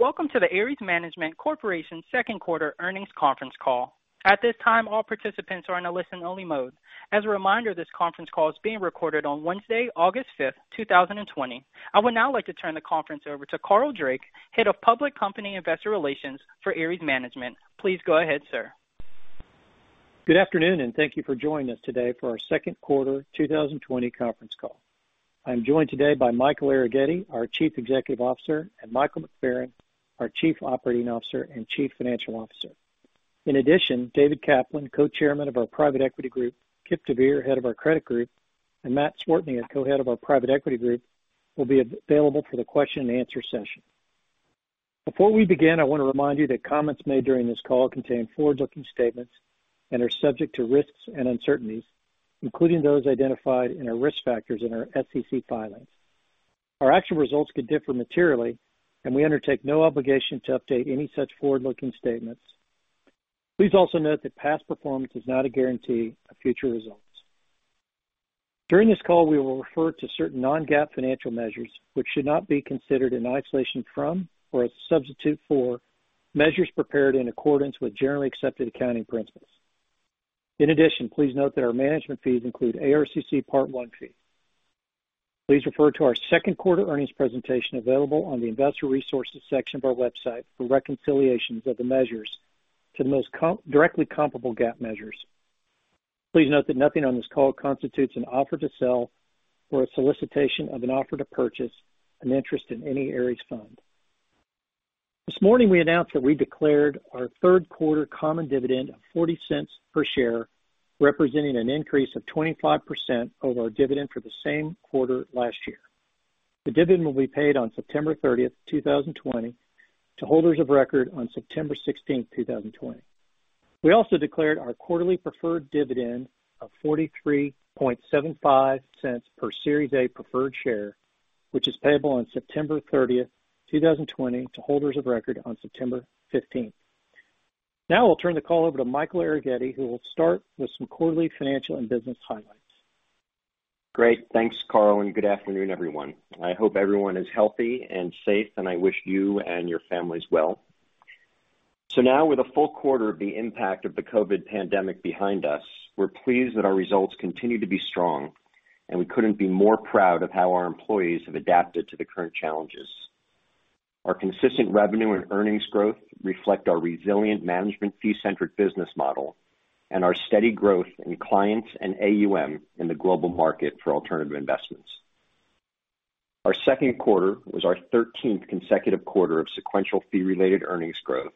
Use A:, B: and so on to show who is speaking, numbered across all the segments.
A: Welcome to the Ares Management Corporation second quarter earnings conference call. At this time, all participants are in a listen-only mode. As a reminder, this conference call is being recorded on Wednesday, August 5, 2020. I would now like to turn the conference over to Carl Drake, Head of Public Company Investor Relations for Ares Management. Please go ahead, sir.
B: Good afternoon, and thank you for joining us today for our second quarter 2020 conference call. I'm joined today by Michael Arougheti, our Chief Executive Officer, and Michael McFerran, our Chief Operating Officer and Chief Financial Officer. In addition, David Kaplan, Co-Chairman of our Private Equity Group, Kipp deVeer, Head of our Credit Group, and Matt Cwiertnia, Co-head of our Private Equity Group, will be available for the question and answer session. Before we begin, I want to remind you that comments made during this call contain forward-looking statements and are subject to risks and uncertainties, including those identified in our risk factors in our SEC filings. Our actual results could differ materially, and we undertake no obligation to update any such forward-looking statements. Please also note that past performance is not a guarantee of future results. During this call, we will refer to certain non-GAAP financial measures, which should not be considered in isolation from or as a substitute for measures prepared in accordance with generally accepted accounting principles. In addition, please note that our management fees include ARCC Part 1 fees. Please refer to our second quarter earnings presentation available on the investor resources section of our website for reconciliations of the measures to the most directly comparable GAAP measures. Please note that nothing on this call constitutes an offer to sell or a solicitation of an offer to purchase an interest in any Ares fund. This morning, we announced that we declared our third quarter common dividend of $0.40 per share, representing an increase of 25% over our dividend for the same quarter last year. The dividend will be paid on September 30, 2020, to holders of record on September 16, 2020. We also declared our quarterly preferred dividend of $0.4375 per Series A preferred share, which is payable on September 30, 2020, to holders of record on September 15th. I'll turn the call over to Michael Arougheti, who will start with some quarterly financial and business highlights.
C: Great. Thanks, Carl, and good afternoon, everyone. I hope everyone is healthy and safe, and I wish you and your families well. Now with a full quarter of the impact of the COVID pandemic behind us, we're pleased that our results continue to be strong, and we couldn't be more proud of how our employees have adapted to the current challenges. Our consistent revenue and earnings growth reflect our resilient management fee-centric business model and our steady growth in clients and AUM in the global market for alternative investments. Our second quarter was our 13th consecutive quarter of sequential fee-related earnings growth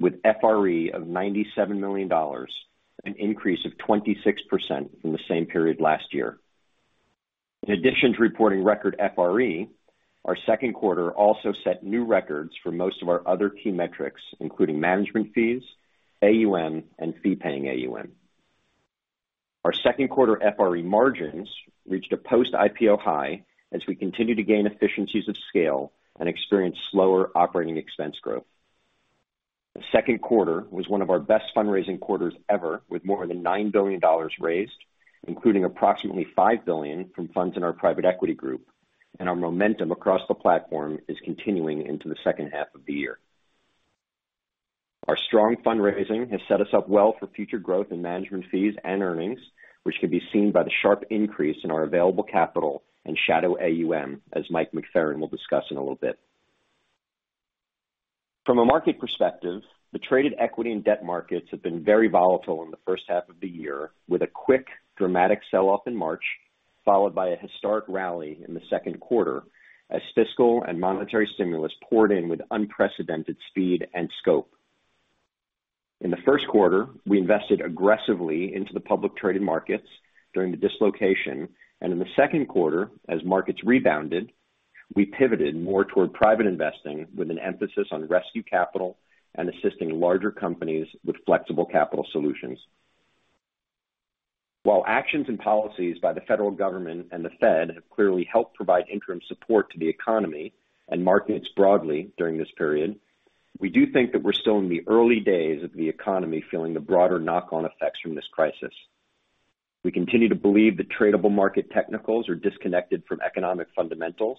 C: with FRE of $97 million, an increase of 26% from the same period last year. In addition to reporting record FRE, our second quarter also set new records for most of our other key metrics, including management fees, AUM, and fee-paying AUM. Our second quarter FRE margins reached a post-IPO high as we continue to gain efficiencies of scale and experience slower operating expense growth. The second quarter was one of our best fundraising quarters ever, with more than $9 billion raised, including approximately $5 billion from funds in our Private Equity Group. Our momentum across the platform is continuing into the second half of the year. Our strong fundraising has set us up well for future growth in management fees and earnings, which can be seen by the sharp increase in our available capital and shadow AUM, as Mike McFerran will discuss in a little bit. From a market perspective, the traded equity and debt markets have been very volatile in the first half of the year, with a quick, dramatic sell-off in March, followed by a historic rally in the second quarter as fiscal and monetary stimulus poured in with unprecedented speed and scope. In the first quarter, we invested aggressively into the public traded markets during the dislocation, and in the second quarter, as markets rebounded, we pivoted more toward private investing with an emphasis on rescue capital and assisting larger companies with flexible capital solutions. While actions and policies by the federal government and the Fed have clearly helped provide interim support to the economy and markets broadly during this period, we do think that we're still in the early days of the economy feeling the broader knock-on effects from this crisis. We continue to believe that tradable market technicals are disconnected from economic fundamentals,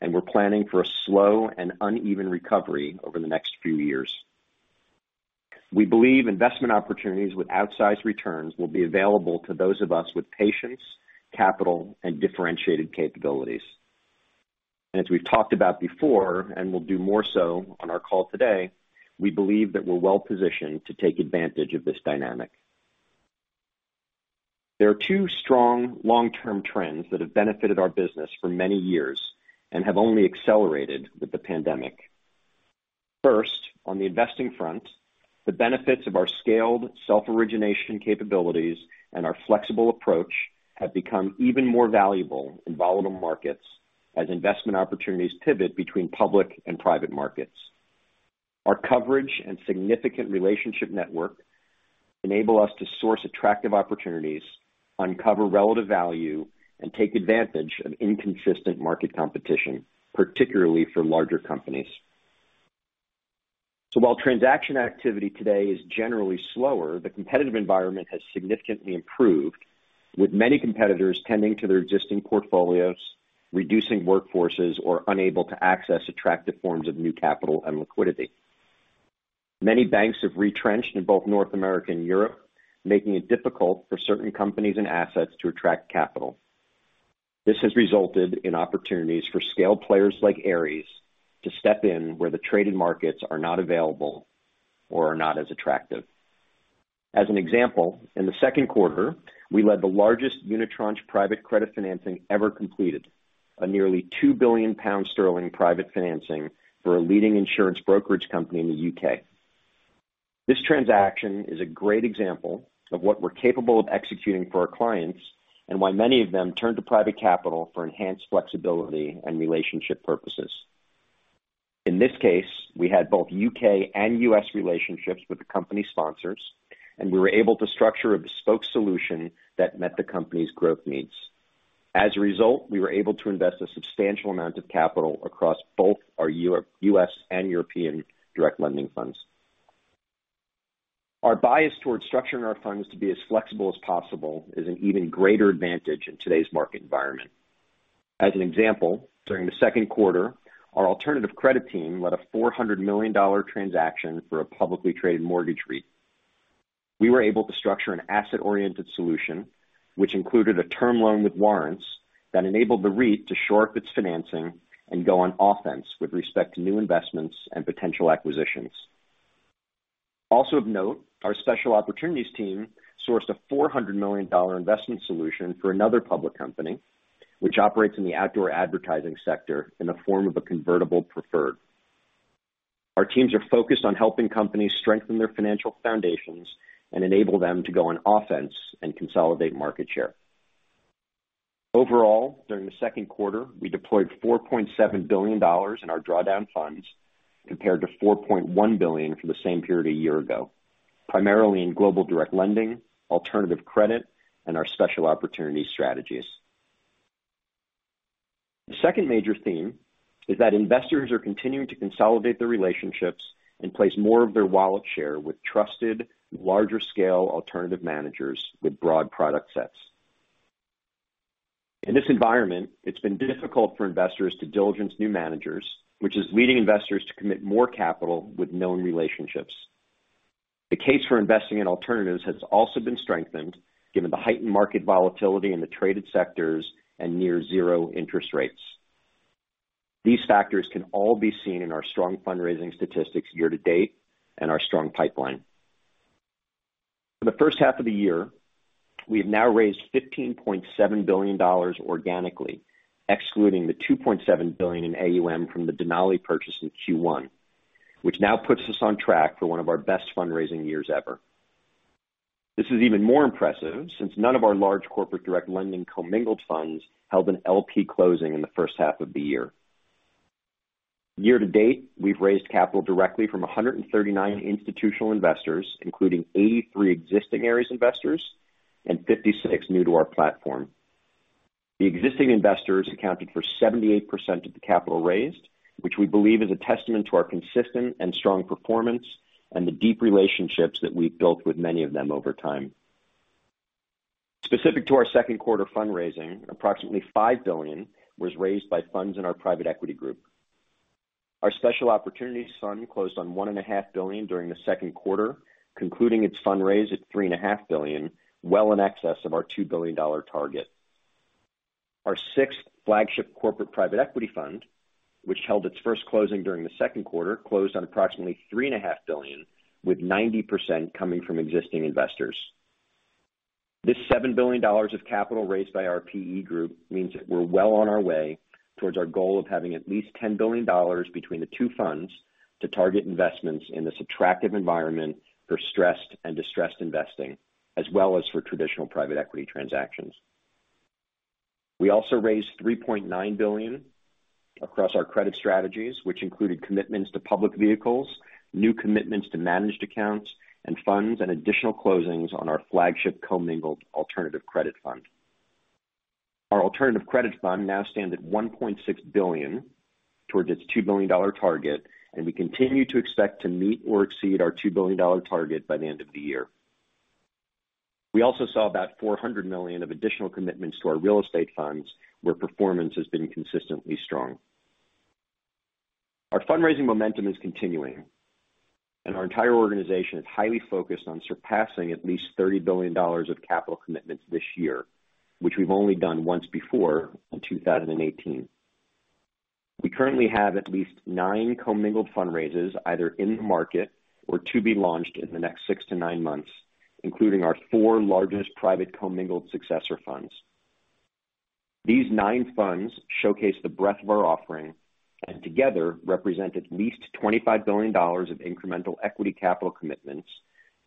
C: and we're planning for a slow and uneven recovery over the next few years. We believe investment opportunities with outsized returns will be available to those of us with patience, capital, and differentiated capabilities. As we've talked about before and will do more so on our call today, we believe that we're well-positioned to take advantage of this dynamic. There are two strong long-term trends that have benefited our business for many years and have only accelerated with the pandemic. First, on the investing front, the benefits of our scaled self-origination capabilities and our flexible approach have become even more valuable in volatile markets as investment opportunities pivot between public and private markets. Our coverage and significant relationship network enable us to source attractive opportunities, uncover relative value, and take advantage of inconsistent market competition, particularly for larger companies. While transaction activity today is generally slower, the competitive environment has significantly improved, with many competitors tending to their existing portfolios, reducing workforces, or unable to access attractive forms of new capital and liquidity. Many banks have retrenched in both North America and Europe, making it difficult for certain companies and assets to attract capital. This has resulted in opportunities for scaled players like Ares to step in where the traded markets are not available or are not as attractive. As an example, in the second quarter, we led the largest unitranche private credit financing ever completed, a nearly £2 billion private financing for a leading insurance brokerage company in the U.K. This transaction is a great example of what we're capable of executing for our clients, and why many of them turn to private capital for enhanced flexibility and relationship purposes. In this case, we had both U.K. and U.S. relationships with the company sponsors, and we were able to structure a bespoke solution that met the company's growth needs. As a result, we were able to invest a substantial amount of capital across both our U.S. and European direct lending funds. Our bias towards structuring our funds to be as flexible as possible is an even greater advantage in today's market environment. As an example, during the second quarter, our alternative credit team led a $400 million transaction for a publicly traded mortgage REIT. We were able to structure an asset-oriented solution, which included a term loan with warrants that enabled the REIT to shore up its financing and go on offense with respect to new investments and potential acquisitions. Also of note, our special opportunities team sourced a $400 million investment solution for another public company, which operates in the outdoor advertising sector in the form of a convertible preferred. Our teams are focused on helping companies strengthen their financial foundations and enable them to go on offense and consolidate market share. Overall, during the second quarter, we deployed $4.7 billion in our drawdown funds, compared to $4.1 billion for the same period a year ago, primarily in global direct lending, alternative credit, and our special opportunity strategies. The second major theme is that investors are continuing to consolidate their relationships and place more of their wallet share with trusted, larger scale alternative managers with broad product sets. In this environment, it's been difficult for investors to diligence new managers, which is leading investors to commit more capital with known relationships. The case for investing in alternatives has also been strengthened given the heightened market volatility in the traded sectors and near zero interest rates. These factors can all be seen in our strong fundraising statistics year-to-date and our strong pipeline. For the first half of the year, we have now raised $15.7 billion organically, excluding the $2.7 billion in AUM from the Denali purchase in Q1, which now puts us on track for one of our best fundraising years ever. This is even more impressive since none of our large corporate direct lending commingled funds held an LP closing in the first half of the year. year-to-date, we've raised capital directly from 139 institutional investors, including 83 existing Ares investors and 56 new to our platform. The existing investors accounted for 78% of the capital raised, which we believe is a testament to our consistent and strong performance and the deep relationships that we've built with many of them over time. Specific to our second quarter fundraising, approximately $5 billion was raised by funds in our Private Equity Group. Our Special Opportunities Fund closed on $1.5 billion during the second quarter, concluding its fundraise at $3.5 billion, well in excess of our $2 billion target. Our sixth flagship corporate private equity fund, which held its first closing during the second quarter, closed on approximately $3.5 billion, with 90% coming from existing investors. This $7 billion of capital raised by our PE group means that we're well on our way towards our goal of having at least $10 billion between the two funds to target investments in this attractive environment for stressed and distressed investing, as well as for traditional private equity transactions. We also raised $3.9 billion across our credit strategies, which included commitments to public vehicles, new commitments to managed accounts and funds, and additional closings on our flagship commingled alternative credit fund. Our alternative credit fund now stands at $1.6 billion towards its $2 billion target, and we continue to expect to meet or exceed our $2 billion target by the end of the year. We also saw about $400 million of additional commitments to our real estate funds, where performance has been consistently strong. Our fundraising momentum is continuing, and our entire organization is highly focused on surpassing at least $30 billion of capital commitments this year, which we've only done once before in 2018. We currently have at least nine commingled fundraisers either in the market or to be launched in the next six to nine months, including our four largest private commingled successor funds. These nine funds showcase the breadth of our offering and together represent at least $25 billion of incremental equity capital commitments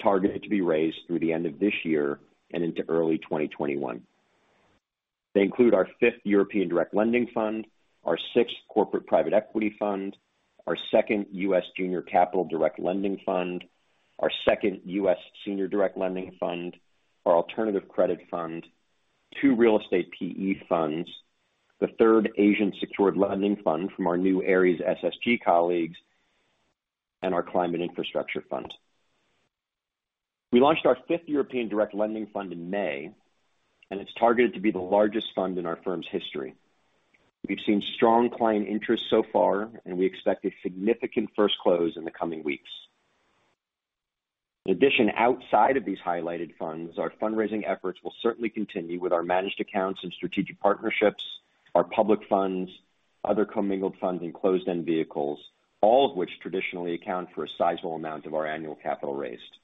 C: targeted to be raised through the end of this year and into early 2021. They include our fifth European direct lending fund, our sixth corporate private equity fund, our second U.S. junior capital direct lending fund, our second U.S. senior direct lending fund, our alternative credit fund, two real estate PE funds, the third Asian secured lending fund from our new Ares SSG colleagues, and our climate infrastructure fund. We launched our fifth European direct lending fund in May, and it's targeted to be the largest fund in our firm's history. We've seen strong client interest so far, and we expect a significant first close in the coming weeks. In addition, outside of these highlighted funds, our fundraising efforts will certainly continue with our managed accounts and strategic partnerships, our public funds, other commingled funds, and closed-end vehicles, all of which traditionally account for a sizable amount of our annual capital raised.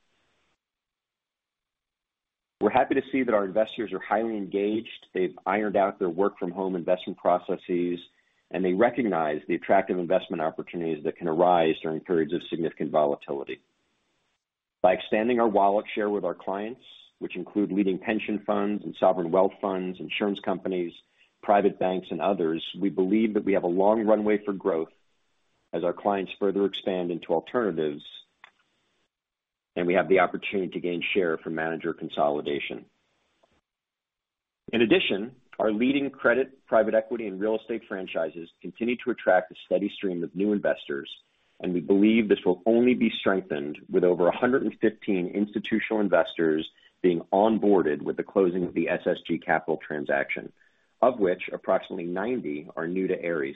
C: We're happy to see that our investors are highly engaged. They've ironed out their work-from-home investment processes, and they recognize the attractive investment opportunities that can arise during periods of significant volatility. By expanding our wallet share with our clients, which include leading pension funds and sovereign wealth funds, insurance companies, private banks, and others, we believe that we have a long runway for growth as our clients further expand into alternatives, and we have the opportunity to gain share from manager consolidation. In addition, our leading credit, private equity, and real estate franchises continue to attract a steady stream of new investors, and we believe this will only be strengthened with over 115 institutional investors being onboarded with the closing of the SSG Capital transaction, of which approximately 90 are new to Ares.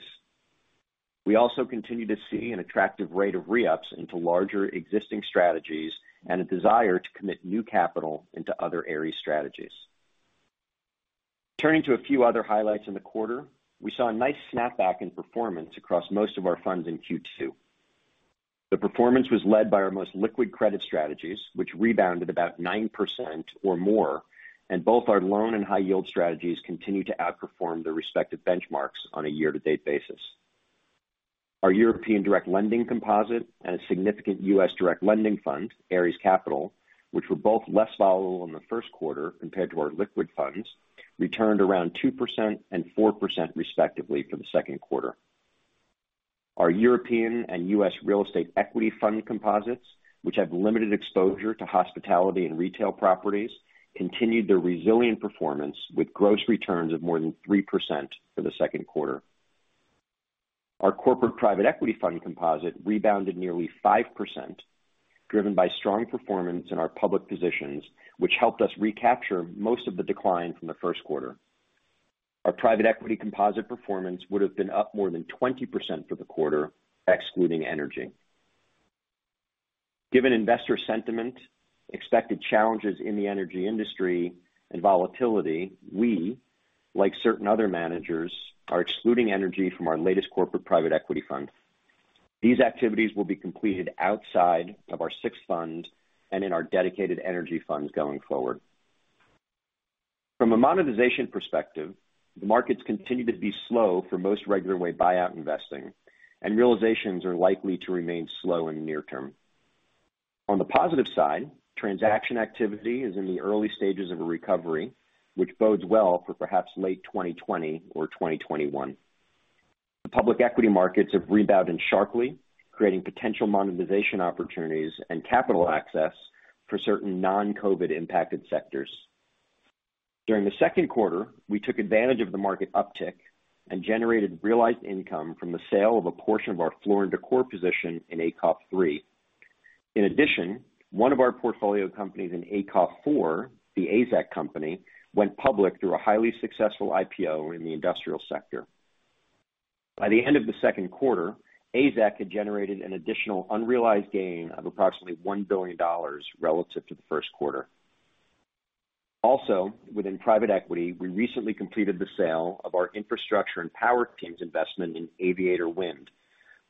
C: We also continue to see an attractive rate of re-ups into larger existing strategies and a desire to commit new capital into other Ares strategies. Turning to a few other highlights in the quarter, we saw a nice snapback in performance across most of our funds in Q2. The performance was led by our most liquid credit strategies, which rebounded about 9% or more, and both our loan and high yield strategies continue to outperform their respective benchmarks on a year-to-date basis. Our European direct lending composite and a significant U.S. direct lending fund, Ares Capital, which were both less volatile in the first quarter compared to our liquid funds, returned around 2% and 4% respectively for the second quarter. Our European and U.S. real estate equity fund composites, which have limited exposure to hospitality and retail properties, continued their resilient performance with gross returns of more than 3% for the second quarter. Our corporate private equity fund composite rebounded nearly 5%, driven by strong performance in our public positions, which helped us recapture most of the decline from the first quarter. Our private equity composite performance would have been up more than 20% for the quarter, excluding energy. Given investor sentiment, expected challenges in the energy industry, and volatility, we, like certain other managers, are excluding energy from our latest corporate private equity fund. These activities will be completed outside of our sixth fund and in our dedicated energy funds going forward. From a monetization perspective, the markets continue to be slow for most regular way buyout investing, and realizations are likely to remain slow in the near term. On the positive side, transaction activity is in the early stages of a recovery, which bodes well for perhaps late 2020 or 2021. The public equity markets have rebounded sharply, creating potential monetization opportunities and capital access for certain non-COVID impacted sectors. During the second quarter, we took advantage of the market uptick and generated realized income from the sale of a portion of our Floor & Decor position in ACOF III. In addition, one of our portfolio companies in ACOF IV, The AZEK Company, went public through a highly successful IPO in the industrial sector. By the end of the second quarter, The AZEK Company had generated an additional unrealized gain of approximately $1 billion relative to the first quarter. Also, within private equity, we recently completed the sale of our infrastructure and power team's investment in Aviator Wind,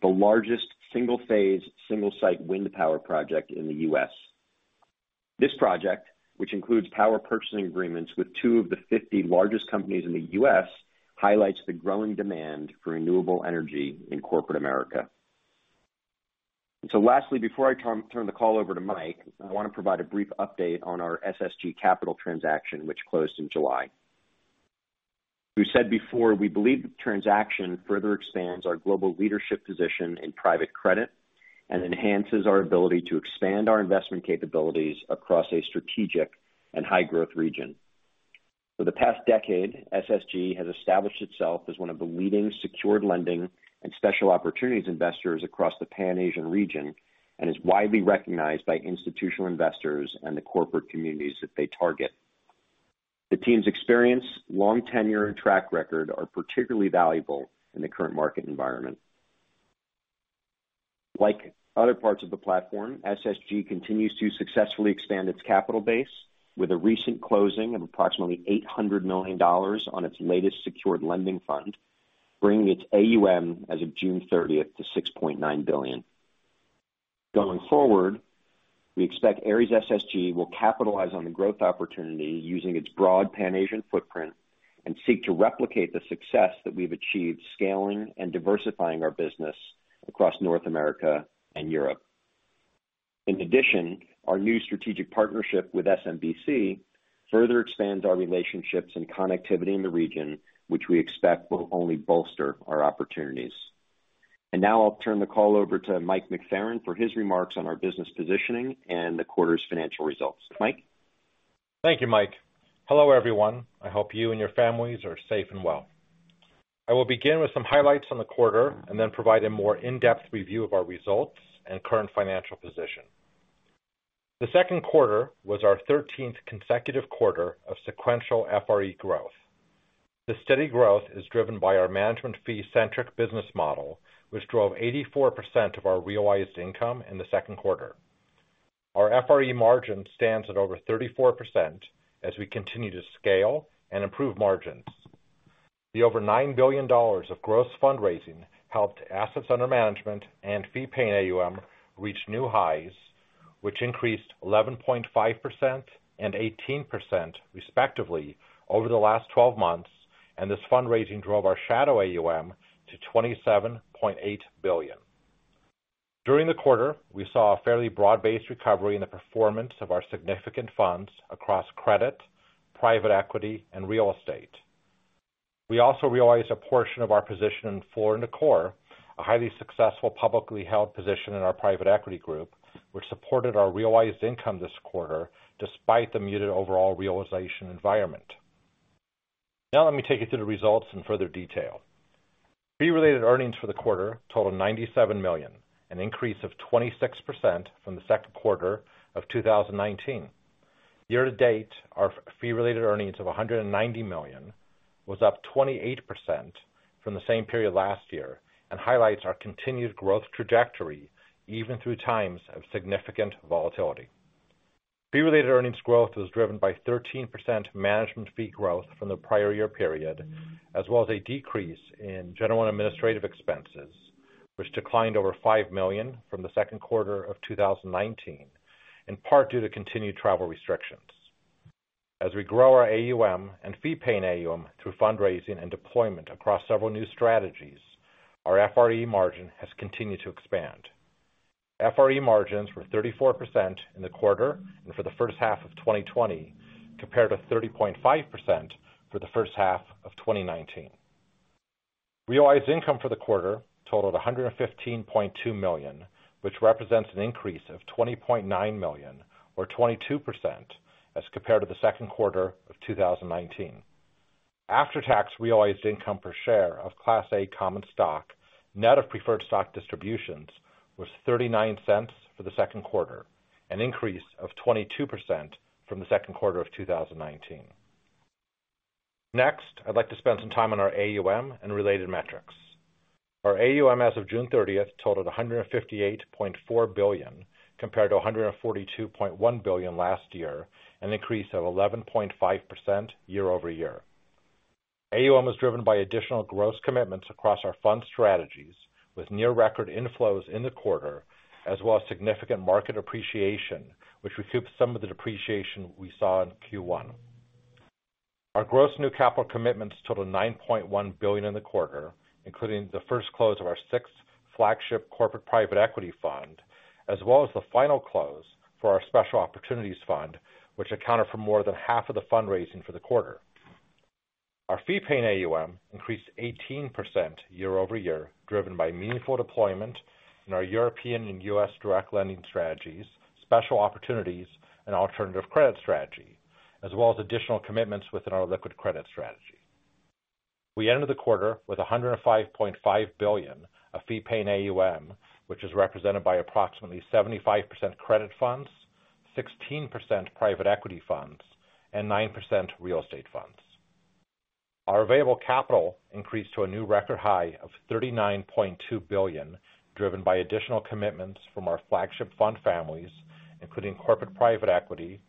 C: the largest single-phase, single-site wind power project in the U.S. This project, which includes power purchasing agreements with two of the 50 largest companies in the U.S., highlights the growing demand for renewable energy in corporate America. Lastly, before I turn the call over to Michael McFerran, I want to provide a brief update on our SSG Capital transaction, which closed in July. We said before we believe the transaction further expands our global leadership position in private credit and enhances our ability to expand our investment capabilities across a strategic and high-growth region. For the past decade, SSG has established itself as one of the leading secured lending and special opportunities investors across the Pan-Asian region and is widely recognized by institutional investors and the corporate communities that they target. The team's experience, long tenure, and track record are particularly valuable in the current market environment. Like other parts of the platform, SSG continues to successfully expand its capital base with the recent closing of approximately $800 million on its latest secured lending fund, bringing its AUM as of June 30th to $6.9 billion. Going forward, we expect Ares SSG will capitalize on the growth opportunity using its broad Pan-Asian footprint and seek to replicate the success that we've achieved scaling and diversifying our business across North America and Europe. Our new strategic partnership with SMBC further expands our relationships and connectivity in the region, which we expect will only bolster our opportunities. Now I'll turn the call over to Mike McFerran for his remarks on our business positioning and the quarter's financial results. Mike?
D: Thank you, Mike. Hello, everyone. I hope you and your families are safe and well. I will begin with some highlights on the quarter and then provide a more in-depth review of our results and current financial position. The second quarter was our 13th consecutive quarter of sequential FRE growth. The steady growth is driven by our management fee-centric business model, which drove 84% of our realized income in the second quarter. Our FRE margin stands at over 34% as we continue to scale and improve margins. The over $9 billion of gross fundraising helped assets under management and fee-paying AUM reach new highs, which increased 11.5% and 18%, respectively, over the last 12 months. This fundraising drove our shadow AUM to $27.8 billion. During the quarter, we saw a fairly broad-based recovery in the performance of our significant funds across credit, private equity, and real estate. We also realized a portion of our position in Floor & Decor, a highly successful publicly held position in our private equity group, which supported our realized income this quarter despite the muted overall realization environment. Let me take you through the results in further detail. Fee-related earnings for the quarter totaled $97 million, an increase of 26% from the second quarter of 2019. year-to-date, our fee-related earnings of $190 million was up 28% from the same period last year and highlights our continued growth trajectory, even through times of significant volatility. Fee-related earnings growth was driven by 13% management fee growth from the prior year period, as well as a decrease in general and administrative expenses, which declined over $5 million from the second quarter of 2019, in part due to continued travel restrictions. As we grow our AUM and fee-paying AUM through fundraising and deployment across several new strategies, our FRE margin has continued to expand. FRE margins were 34% in the quarter and for the first half of 2020, compared to 30.5% for the first half of 2019. Realized income for the quarter totaled $115.2 million, which represents an increase of $20.9 million or 22% as compared to the second quarter of 2019. After-tax realized income per share of Class A common stock, net of preferred stock distributions, was $0.39 for the second quarter, an increase of 22% from the second quarter of 2019. Next, I'd like to spend some time on our AUM and related metrics. Our AUM as of June 30th totaled $158.4 billion, compared to $142.1 billion last year, an increase of 11.5% year-over-year. AUM was driven by additional gross commitments across our fund strategies with near record inflows in the quarter, as well as significant market appreciation, which recouped some of the depreciation we saw in Q1. Our gross new capital commitments totaled $9.1 billion in the quarter, including the first close of our sixth flagship corporate private equity fund, as well as the final close for our Special Opportunities Fund, which accounted for more than half of the fundraising for the quarter. Our fee-paying AUM increased 18% year-over-year, driven by meaningful deployment in our European and U.S. direct lending strategies, special opportunities, and alternative credit strategy, as well as additional commitments within our liquid credit strategy. We ended the quarter with $105.5 billion of fee-paying AUM, which is represented by approximately 75% credit funds, 16% private equity funds, and 9% real estate funds. Our available capital increased to a new record high of $39.2 billion, driven by additional commitments from our flagship fund families, including corporate private equity,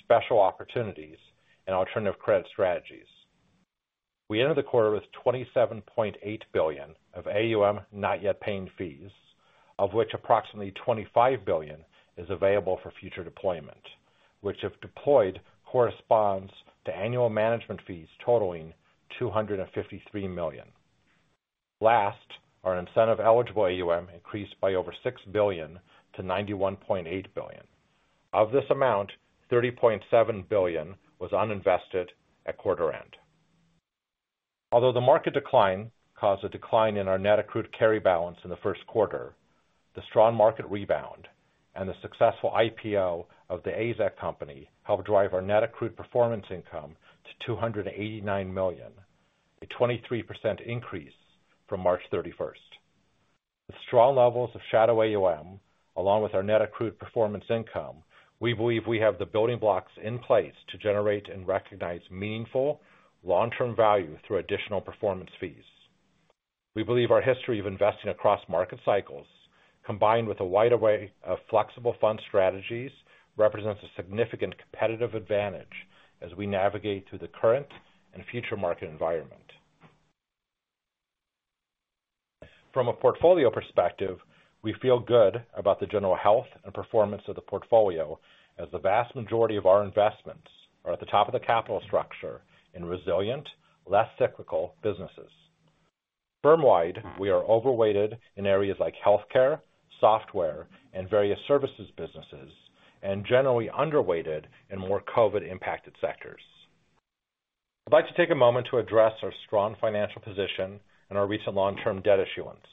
D: special opportunities, and alternative credit strategies. We ended the quarter with $27.8 billion of AUM not yet paying fees, of which approximately $25 billion is available for future deployment, which if deployed, corresponds to annual management fees totaling $253 million. Our incentive-eligible AUM increased by over $6 billion to $91.8 billion. Of this amount, $30.7 billion was uninvested at quarter end. Although the market decline caused a decline in our net accrued carry balance in the first quarter, the strong market rebound and the successful IPO of the AZEK Company helped drive our net accrued performance income to $289 million, a 23% increase from March 31st. With strong levels of shadow AUM, along with our net accrued performance income, we believe we have the building blocks in place to generate and recognize meaningful long-term value through additional performance fees. We believe our history of investing across market cycles, combined with a wide array of flexible fund strategies, represents a significant competitive advantage as we navigate through the current and future market environment. From a portfolio perspective, we feel good about the general health and performance of the portfolio, as the vast majority of our investments are at the top of the capital structure in resilient, less cyclical businesses. Firm-wide, we are overweighted in areas like healthcare, software, and various services businesses, and generally underweighted in more COVID-impacted sectors. I'd like to take a moment to address our strong financial position and our recent long-term debt issuance.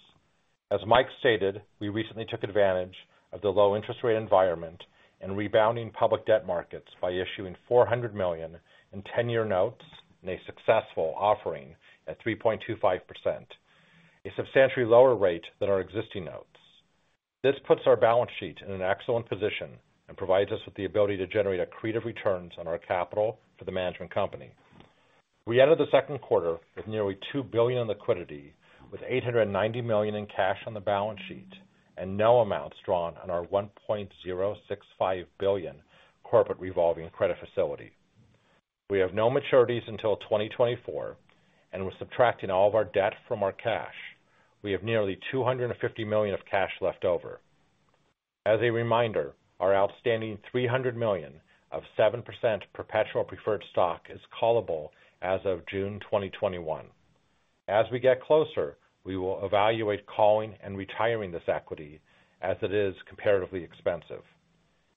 D: As Mike stated, we recently took advantage of the low interest rate environment and rebounding public debt markets by issuing $400 million in 10-year notes in a successful offering at 3.25%, a substantially lower rate than our existing notes. This puts our balance sheet in an excellent position and provides us with the ability to generate accretive returns on our capital for the management company. We entered the second quarter with nearly $2 billion in liquidity, with $890 million in cash on the balance sheet, and no amounts drawn on our $1.065 billion corporate revolving credit facility. With subtracting all of our debt from our cash, we have nearly $250 million of cash left over. We have no maturities until 2024. As a reminder, our outstanding $300 million of 7% perpetual preferred stock is callable as of June 2021. As we get closer, we will evaluate calling and retiring this equity, as it is comparatively expensive.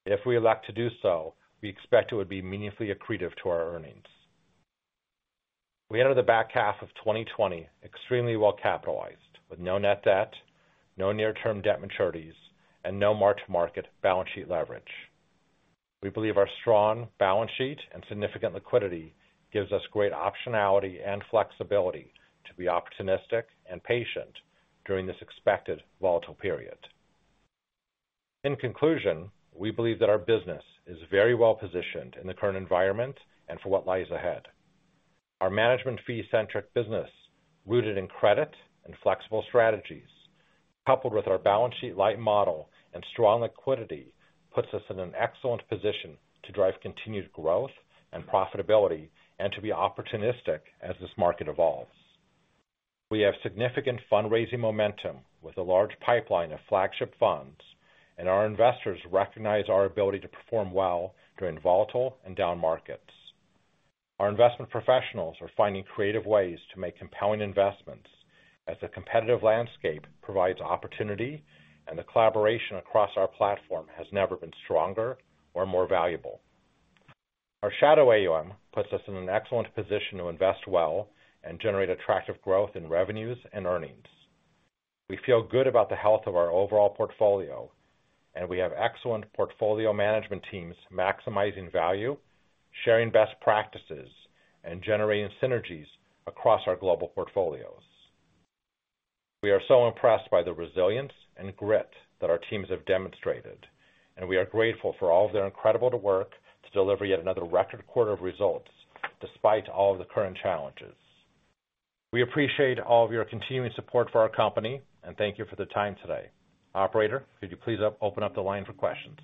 D: If we elect to do so, we expect it would be meaningfully accretive to our earnings. We enter the back half of 2020 extremely well capitalized, with no net debt, no near-term debt maturities, and no mark-to-market balance sheet leverage. We believe our strong balance sheet and significant liquidity gives us great optionality and flexibility to be opportunistic and patient during this expected volatile period. In conclusion, we believe that our business is very well positioned in the current environment and for what lies ahead. Our management fee-centric business, rooted in credit and flexible strategies, coupled with our balance sheet light model and strong liquidity, puts us in an excellent position to drive continued growth and profitability and to be opportunistic as this market evolves. We have significant fundraising momentum with a large pipeline of flagship funds, and our investors recognize our ability to perform well during volatile and down markets. Our investment professionals are finding creative ways to make compelling investments as the competitive landscape provides opportunity, and the collaboration across our platform has never been stronger or more valuable. Our shadow AUM puts us in an excellent position to invest well and generate attractive growth in revenues and earnings. We feel good about the health of our overall portfolio, and we have excellent portfolio management teams maximizing value, sharing best practices, and generating synergies across our global portfolios. We are so impressed by the resilience and grit that our teams have demonstrated, and we are grateful for all of their incredible work to deliver yet another record quarter of results despite all of the current challenges. We appreciate all of your continuing support for our company, and thank you for the time today. Operator, could you please open up the line for questions?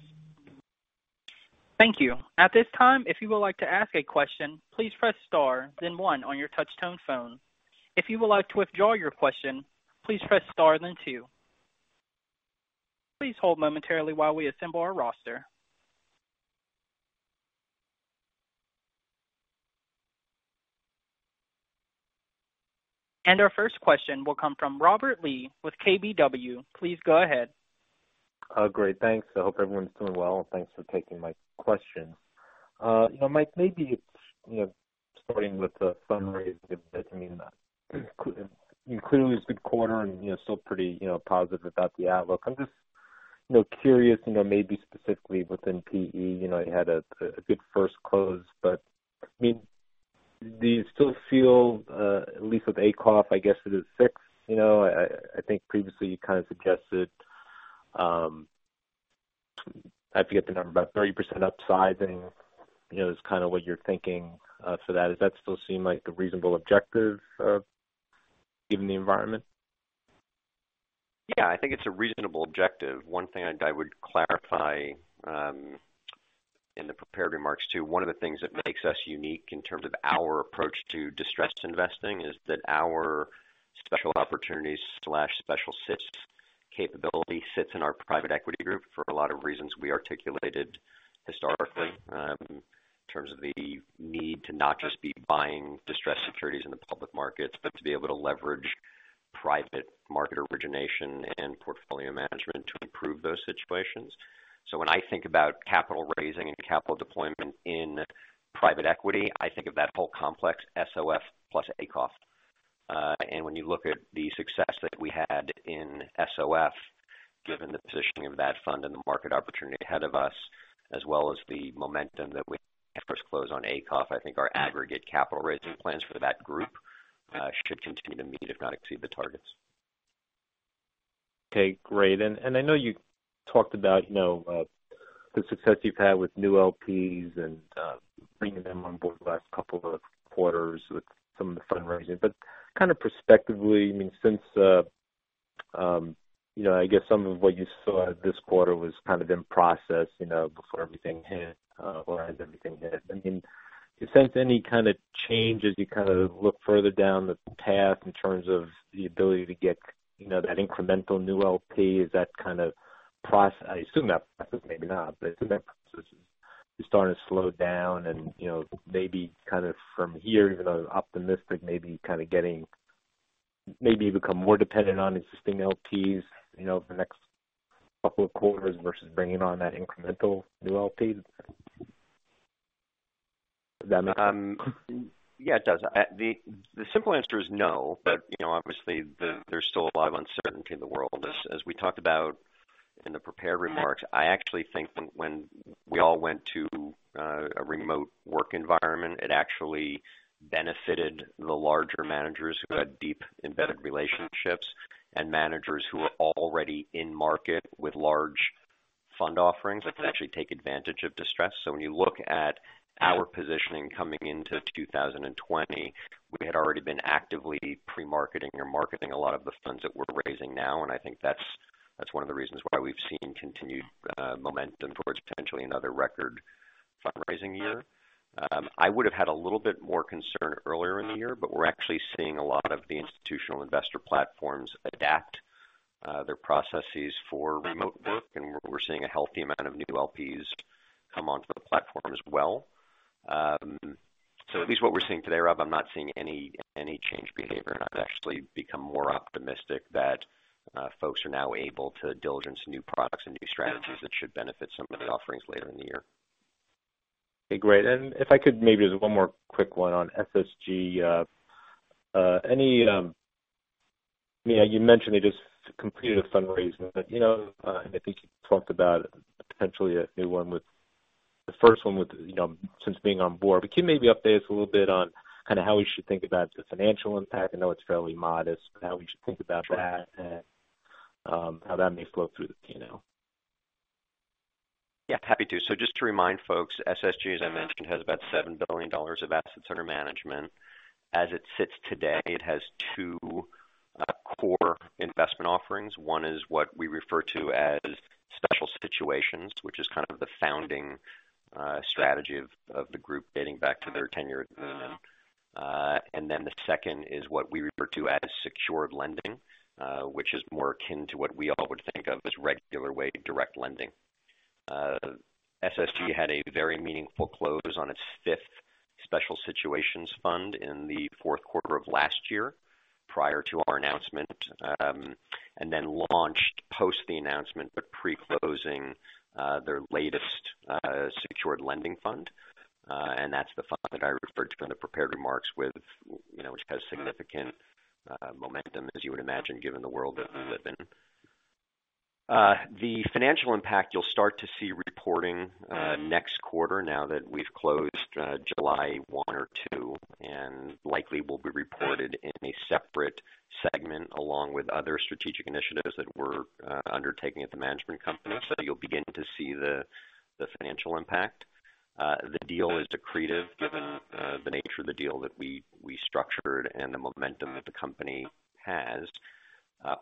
A: Thank you. At this time, if you would like to ask a question, please press star, then one on your touchtone phone. If you would like to withdraw your question, please press star, then two. Please hold momentarily while we assemble our roster. Our first question will come from Robert Lee with KBW. Please go ahead.
E: Great. Thanks. I hope everyone's doing well. Thanks for taking my question. Michael, maybe it's starting with the fundraising bit. Clearly it's a good quarter and still pretty positive about the outlook. I'm just curious, maybe specifically within PE, you had a good first close, but do you still feel, at least with ACOF, I guess it is fixed. I think previously you kind of suggested, I forget the number, about 30% upsize is kind of what you're thinking for that. Does that still seem like a reasonable objective given the environment?
C: Yeah, I think it's a reasonable objective. One thing I would clarify in the prepared remarks, too, one of the things that makes us unique in terms of our approach to distressed investing is that our special opportunities/special sits capability sits in our private equity group for a lot of reasons we articulated historically in terms of the need to not just be buying distressed securities in the public markets, but to be able to leverage private market origination and portfolio management to improve those situations. When I think about capital raising and capital deployment in private equity, I think of that whole complex, SOF plus ACOF. When you look at the success that we had in SOF, given the positioning of that fund and the market opportunity ahead of us, as well as the momentum that we first close on ACOF, I think our aggregate capital raising plans for that group should continue to meet, if not exceed, the targets.
E: Okay, great. I know you talked about the success you've had with new LPs and bringing them on board the last couple of quarters with some of the fundraising. Kind of prospectively, since I guess some of what you saw this quarter was kind of in process before everything hit or as everything hit. Do you sense any kind of changes as you kind of look further down the path in terms of the ability to get that incremental new LP? I assume that process, maybe not, but I assume that process is starting to slow down and maybe kind of from here, even though optimistic, maybe you become more dependent on existing LPs for the next couple of quarters versus bringing on that incremental new LP. Does that make sense?
C: It does. The simple answer is no, but obviously, there's still a lot of uncertainty in the world. As we talked about in the prepared remarks, I actually think that when we all went to a remote work environment, it actually benefited the larger managers who had deep embedded relationships, and managers who were already in market with large fund offerings could actually take advantage of distress. When you look at our positioning coming into 2020, we had already been actively pre-marketing or marketing a lot of the funds that we're raising now, and I think that's one of the reasons why we've seen continued momentum towards potentially another record fundraising year. I would've had a little bit more concern earlier in the year, but we're actually seeing a lot of the institutional investor platforms adapt their processes for remote work, and we're seeing a healthy amount of new LPs come onto the platform as well. At least what we're seeing today, Rob, I'm not seeing any changed behavior, and I've actually become more optimistic that folks are now able to diligence new products and new strategies that should benefit some of the offerings later in the year.
E: Okay, great. If I could, maybe just one more quick one on SSG. You mentioned they just completed a fundraising, and I think you talked about potentially a new one with the first one since being on board. Can you maybe update us a little bit on how we should think about the financial impact? I know it's fairly modest, but how we should think about that, and how that may flow through the P&L.
C: Yeah, happy to. Just to remind folks, SSG, as I mentioned, has about $7 billion of assets under management. As it sits today, it has two core investment offerings. One is what we refer to as special situations, which is kind of the founding strategy of the group dating back to their tenure at Goldman. The second is what we refer to as secured lending, which is more akin to what we all would think of as regular way direct lending. SSG had a very meaningful close on its fifth special situations fund in the fourth quarter of last year prior to our announcement, and then launched post the announcement, but pre-closing their latest secured lending fund. That's the fund that I referred to in the prepared remarks which has significant momentum, as you would imagine, given the world that we live in. The financial impact you'll start to see reporting next quarter now that we've closed July one or two, and likely will be reported in a separate segment along with other strategic initiatives that we're undertaking at the management company. You'll begin to see the financial impact. The deal is accretive given the nature of the deal that we structured and the momentum that the company has.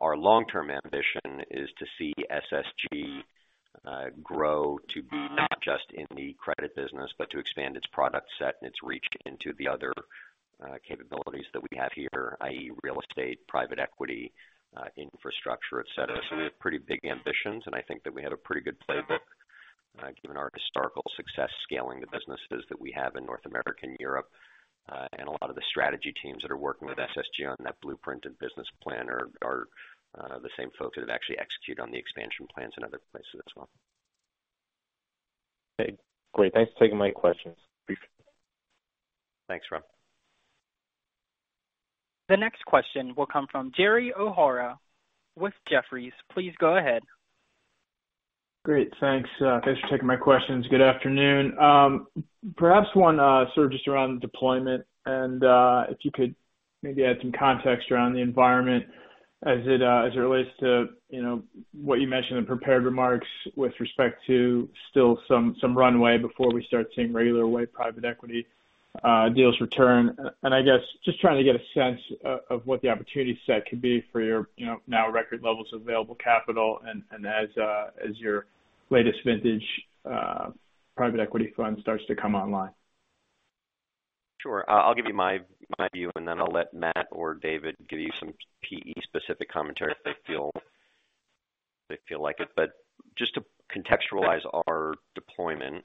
C: Our long-term ambition is to see SSG grow to be not just in the credit business, but to expand its product set and its reach into the other capabilities that we have here, i.e., real estate, private equity, infrastructure, et cetera. We have pretty big ambitions, and I think that we have a pretty good playbook given our historical success scaling the businesses that we have in North America and Europe. A lot of the strategy teams that are working with SSG on that blueprint and business plan are the same folks that have actually executed on the expansion plans in other places as well.
E: Okay, great. Thanks for taking my questions.
C: Thanks, Rob.
A: The next question will come from Gerald O'Hara with Jefferies. Please go ahead.
F: Great, thanks. Thanks for taking my questions. Good afternoon. Perhaps one sort of just around deployment and if you could maybe add some context around the environment as it relates to what you mentioned in prepared remarks with respect to still some runway before we start seeing regular way private equity deals return. I guess just trying to get a sense of what the opportunity set could be for your now record levels of available capital and as your latest vintage private equity fund starts to come online.
C: Sure. I'll give you my view, then I'll let Matt or David give you some PE specific commentary if they feel like it. Just to contextualize our deployment,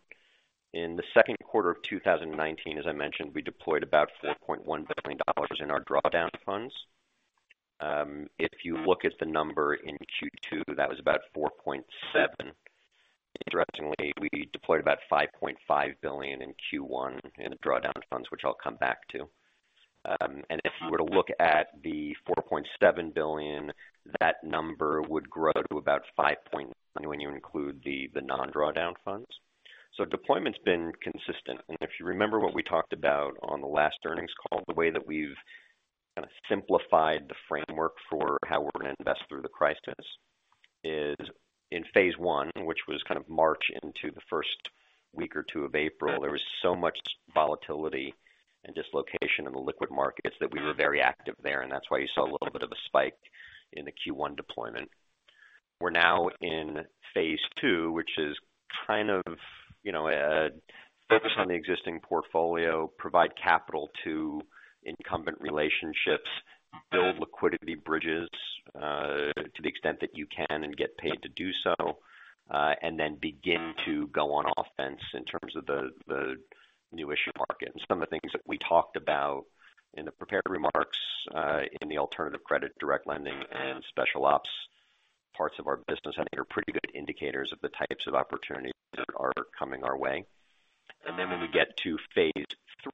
C: in the second quarter of 2019, as I mentioned, we deployed about $4.1 billion in our drawdown funds. If you look at the number in Q2, that was about $4.7. Interestingly, we deployed about $5.5 billion in Q1 in the drawdown funds, which I'll come back to. If you were to look at the $4.7 billion, that number would grow to about $5.9 when you include the non-drawdown funds. Deployment's been consistent. If you remember what we talked about on the last earnings call, the way that we've kind of simplified the framework for how we're going to invest through the crisis is in phase one, which was kind of March into the first week or two of April. There was so much volatility and dislocation in the liquid markets that we were very active there, and that's why you saw a little bit of a spike in the Q1 deployment. We're now in phase two, which is kind of focus on the existing portfolio, provide capital to incumbent relationships, build liquidity bridges to the extent that you can and get paid to do so. Then begin to go on offense in terms of the new issue market. Some of the things that we talked about in the prepared remarks, in the alternative credit direct lending and special ops parts of our business, I think are pretty good indicators of the types of opportunities that are coming our way. Then when we get to phase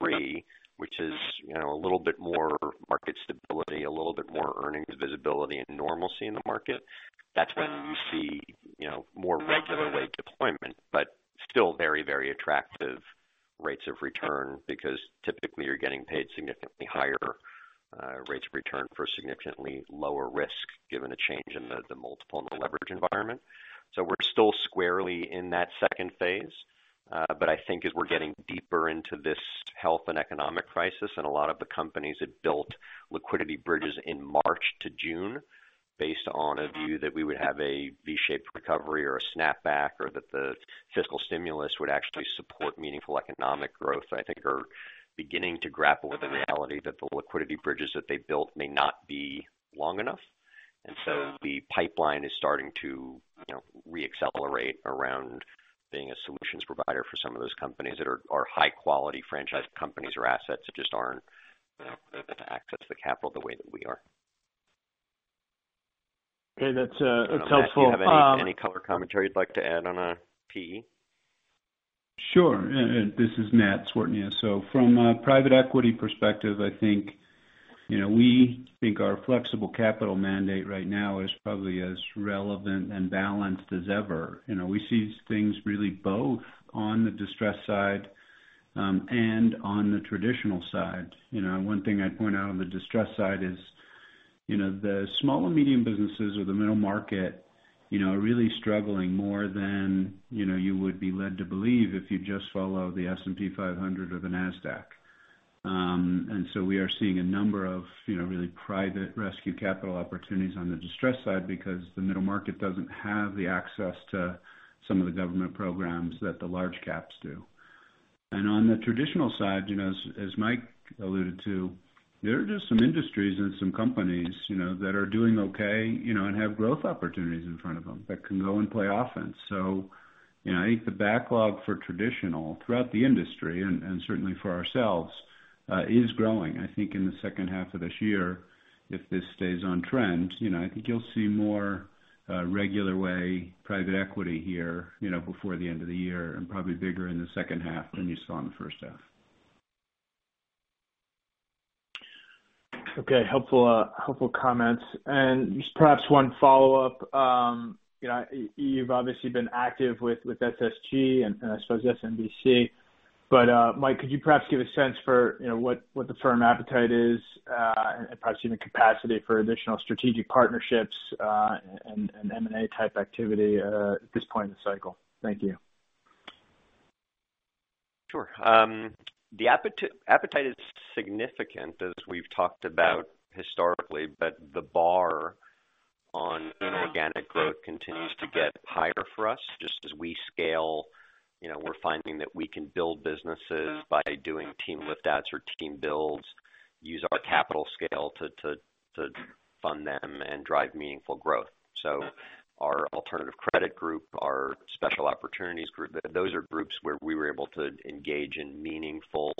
C: III, which is a little bit more market stability, a little bit more earnings visibility, and normalcy in the market, that's when you see more regular way deployment. Still very attractive rates of return, because typically you're getting paid significantly higher rates of return for significantly lower risk, given the change in the multiple and the leverage environment. We're still squarely in that second phase. I think as we're getting deeper into this health and economic crisis, and a lot of the companies that built liquidity bridges in March to June, based on a view that we would have a V-shaped recovery or a snapback, or that the fiscal stimulus would actually support meaningful economic growth, I think are beginning to grapple with the reality that the liquidity bridges that they built may not be long enough. The pipeline is starting to re-accelerate around being a solutions provider for some of those companies that are high-quality franchised companies or assets that just aren't able to access the capital the way that we are.
F: Okay, that's helpful.
C: Matt, do you have any color commentary you'd like to add on PE?
G: Sure. This is Matt Cwiertnia. From a private equity perspective, I think our flexible capital mandate right now is probably as relevant and balanced as ever. We see things really both on the distressed side and on the traditional side. One thing I'd point out on the distressed side is the small and medium businesses or the middle market are really struggling more than you would be led to believe if you just follow the S&P 500 or the NASDAQ. We are seeing a number of really private rescue capital opportunities on the distressed side because the middle market doesn't have the access to some of the government programs that the large caps do. On the traditional side, as Mike alluded to, there are just some industries and some companies that are doing okay, and have growth opportunities in front of them that can go and play offense. I think the backlog for traditional, throughout the industry, and certainly for ourselves, is growing. In the second half of this year, if this stays on trend, I think you'll see more regular way private equity here before the end of the year, and probably bigger in the second half than you saw in the first half.
F: Okay. Helpful comments. Just perhaps one follow-up. You've obviously been active with SSG, and I suppose SMBC. Mike, could you perhaps give a sense for what the firm appetite is, and perhaps even capacity for additional strategic partnerships, and M&A type activity at this point in the cycle? Thank you.
C: Sure. The appetite is significant, as we've talked about historically, the bar on inorganic growth continues to get higher for us. Just as we scale, we're finding that we can build businesses by doing team lift outs or team builds, use our capital scale to fund them and drive meaningful growth. Our alternative credit group, our special opportunities group, those are groups where we were able to engage in meaningful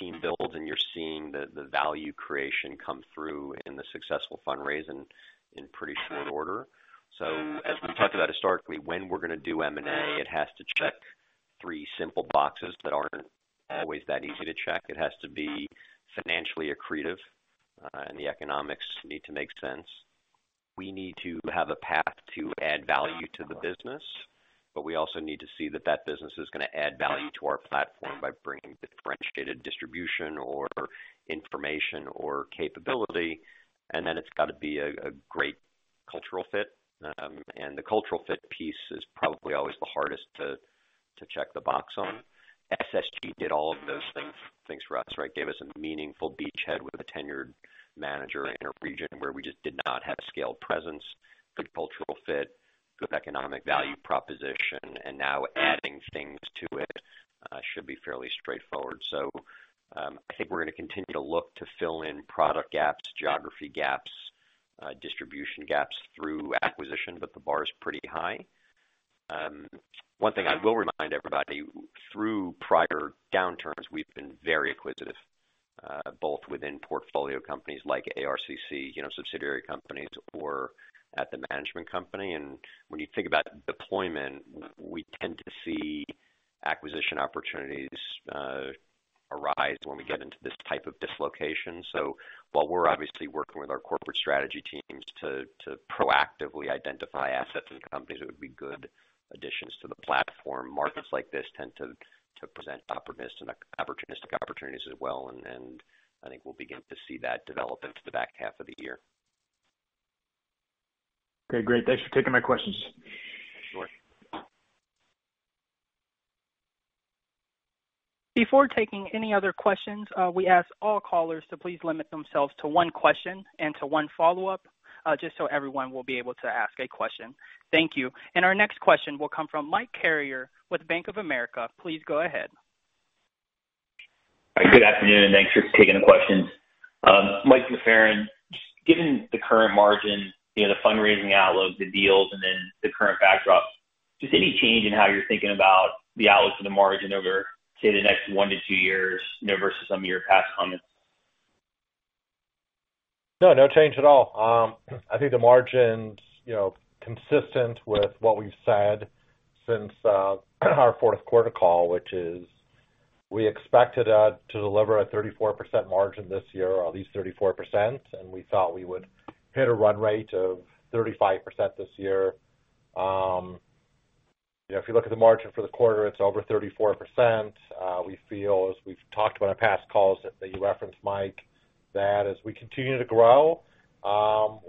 C: team builds. You're seeing the value creation come through in the successful fundraising in pretty short order. As we've talked about historically, when we're going to do M&A, it has to check three simple boxes that aren't always that easy to check. It has to be financially accretive, the economics need to make sense. We need to have a path to add value to the business, but we also need to see that that business is going to add value to our platform by bringing differentiated distribution or information or capability. It's got to be a great cultural fit. The cultural fit piece is probably always the hardest to check the box on. SSG did all of those things for us. Gave us a meaningful beachhead with a tenured manager in a region where we just did not have a scaled presence, good cultural fit, good economic value proposition. Now adding things to it should be fairly straightforward. I think we're going to continue to look to fill in product gaps, geography gaps, distribution gaps through acquisition, but the bar is pretty high. One thing I will remind everybody, through prior downturns, we've been very acquisitive. Both within portfolio companies like ARCC, subsidiary companies or at the management company. When you think about deployment, we tend to see acquisition opportunities arise when we get into this type of dislocation. While we're obviously working with our corporate strategy teams to proactively identify assets and companies that would be good additions to the platform, markets like this tend to present opportunistic opportunities as well, and I think we'll begin to see that develop into the back half of the year.
F: Okay, great. Thanks for taking my questions.
C: Sure.
A: Before taking any other questions, we ask all callers to please limit themselves to one question and to one follow-up just so everyone will be able to ask a question. Thank you. Our next question will come from Michael Carrier with Bank of America. Please go ahead.
H: All right. Good afternoon, and thanks for taking the questions. Michael McFerran. Given the current margin, the fundraising outlook, the deals, and then the current backdrop, just any change in how you're thinking about the outlook for the margin over, say, the next one to two years, versus some of your past comments?
D: No, no change at all. I think the margin's consistent with what we've said since our fourth quarter call, which is we expected to deliver a 34% margin this year, or at least 34%, and we thought we would hit a run rate of 35% this year. If you look at the margin for the quarter, it's over 34%. We feel, as we've talked about in past calls that you referenced, Mike, that as we continue to grow,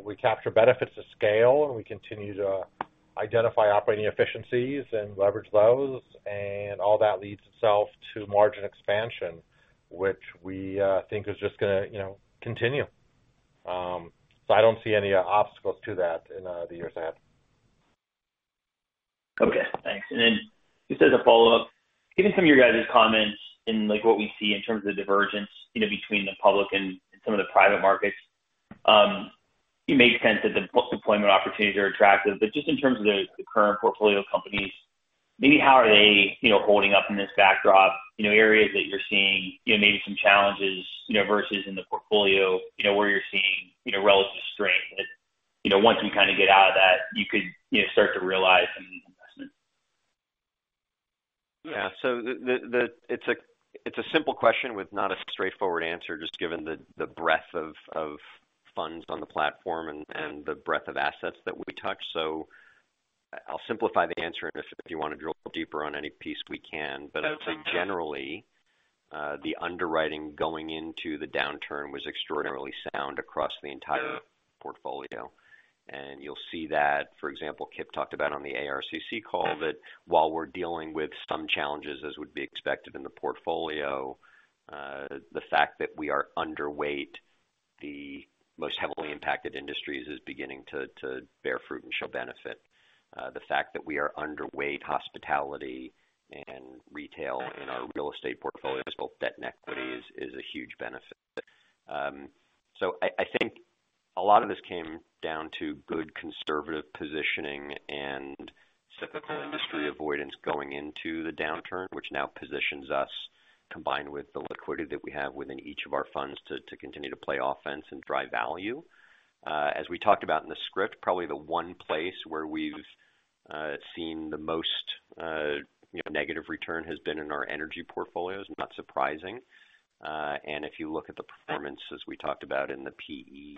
D: we capture benefits of scale, and we continue to identify operating efficiencies and leverage those, and all that leads itself to margin expansion, which we think is just going to continue. I don't see any obstacles to that in the years ahead.
H: Okay, thanks. Just as a follow-up, given some of your guys' comments in what we see in terms of the divergence between the public and some of the private markets, you made sense that the deployment opportunities are attractive. Just in terms of the current portfolio companies, maybe how are they holding up in this backdrop? Areas that you're seeing maybe some challenges, versus in the portfolio where you're seeing relative strength that once you kind of get out of that, you could start to realize some investment.
C: It's a simple question with not a straightforward answer, just given the breadth of funds on the platform and the breadth of assets that we touch. I'll simplify the answer, and if you want to drill deeper on any piece, we can.
H: That's fine.
C: I'd say generally the underwriting going into the downturn was extraordinarily sound across the entire portfolio. You'll see that, for example, Kipp talked about on the ARCC call that while we're dealing with some challenges as would be expected in the portfolio, the fact that we are underweight the most heavily impacted industries is beginning to bear fruit and show benefit. The fact that we are underweight hospitality and retail in our real estate portfolios, both debt and equity, is a huge benefit. I think a lot of this came down to good conservative positioning and cyclical industry avoidance going into the downturn, which now positions us, combined with the liquidity that we have within each of our funds, to continue to play offense and drive value. As we talked about in the script, probably the one place where we've seen the most negative return has been in our energy portfolios. Not surprising. If you look at the performance as we talked about in the PE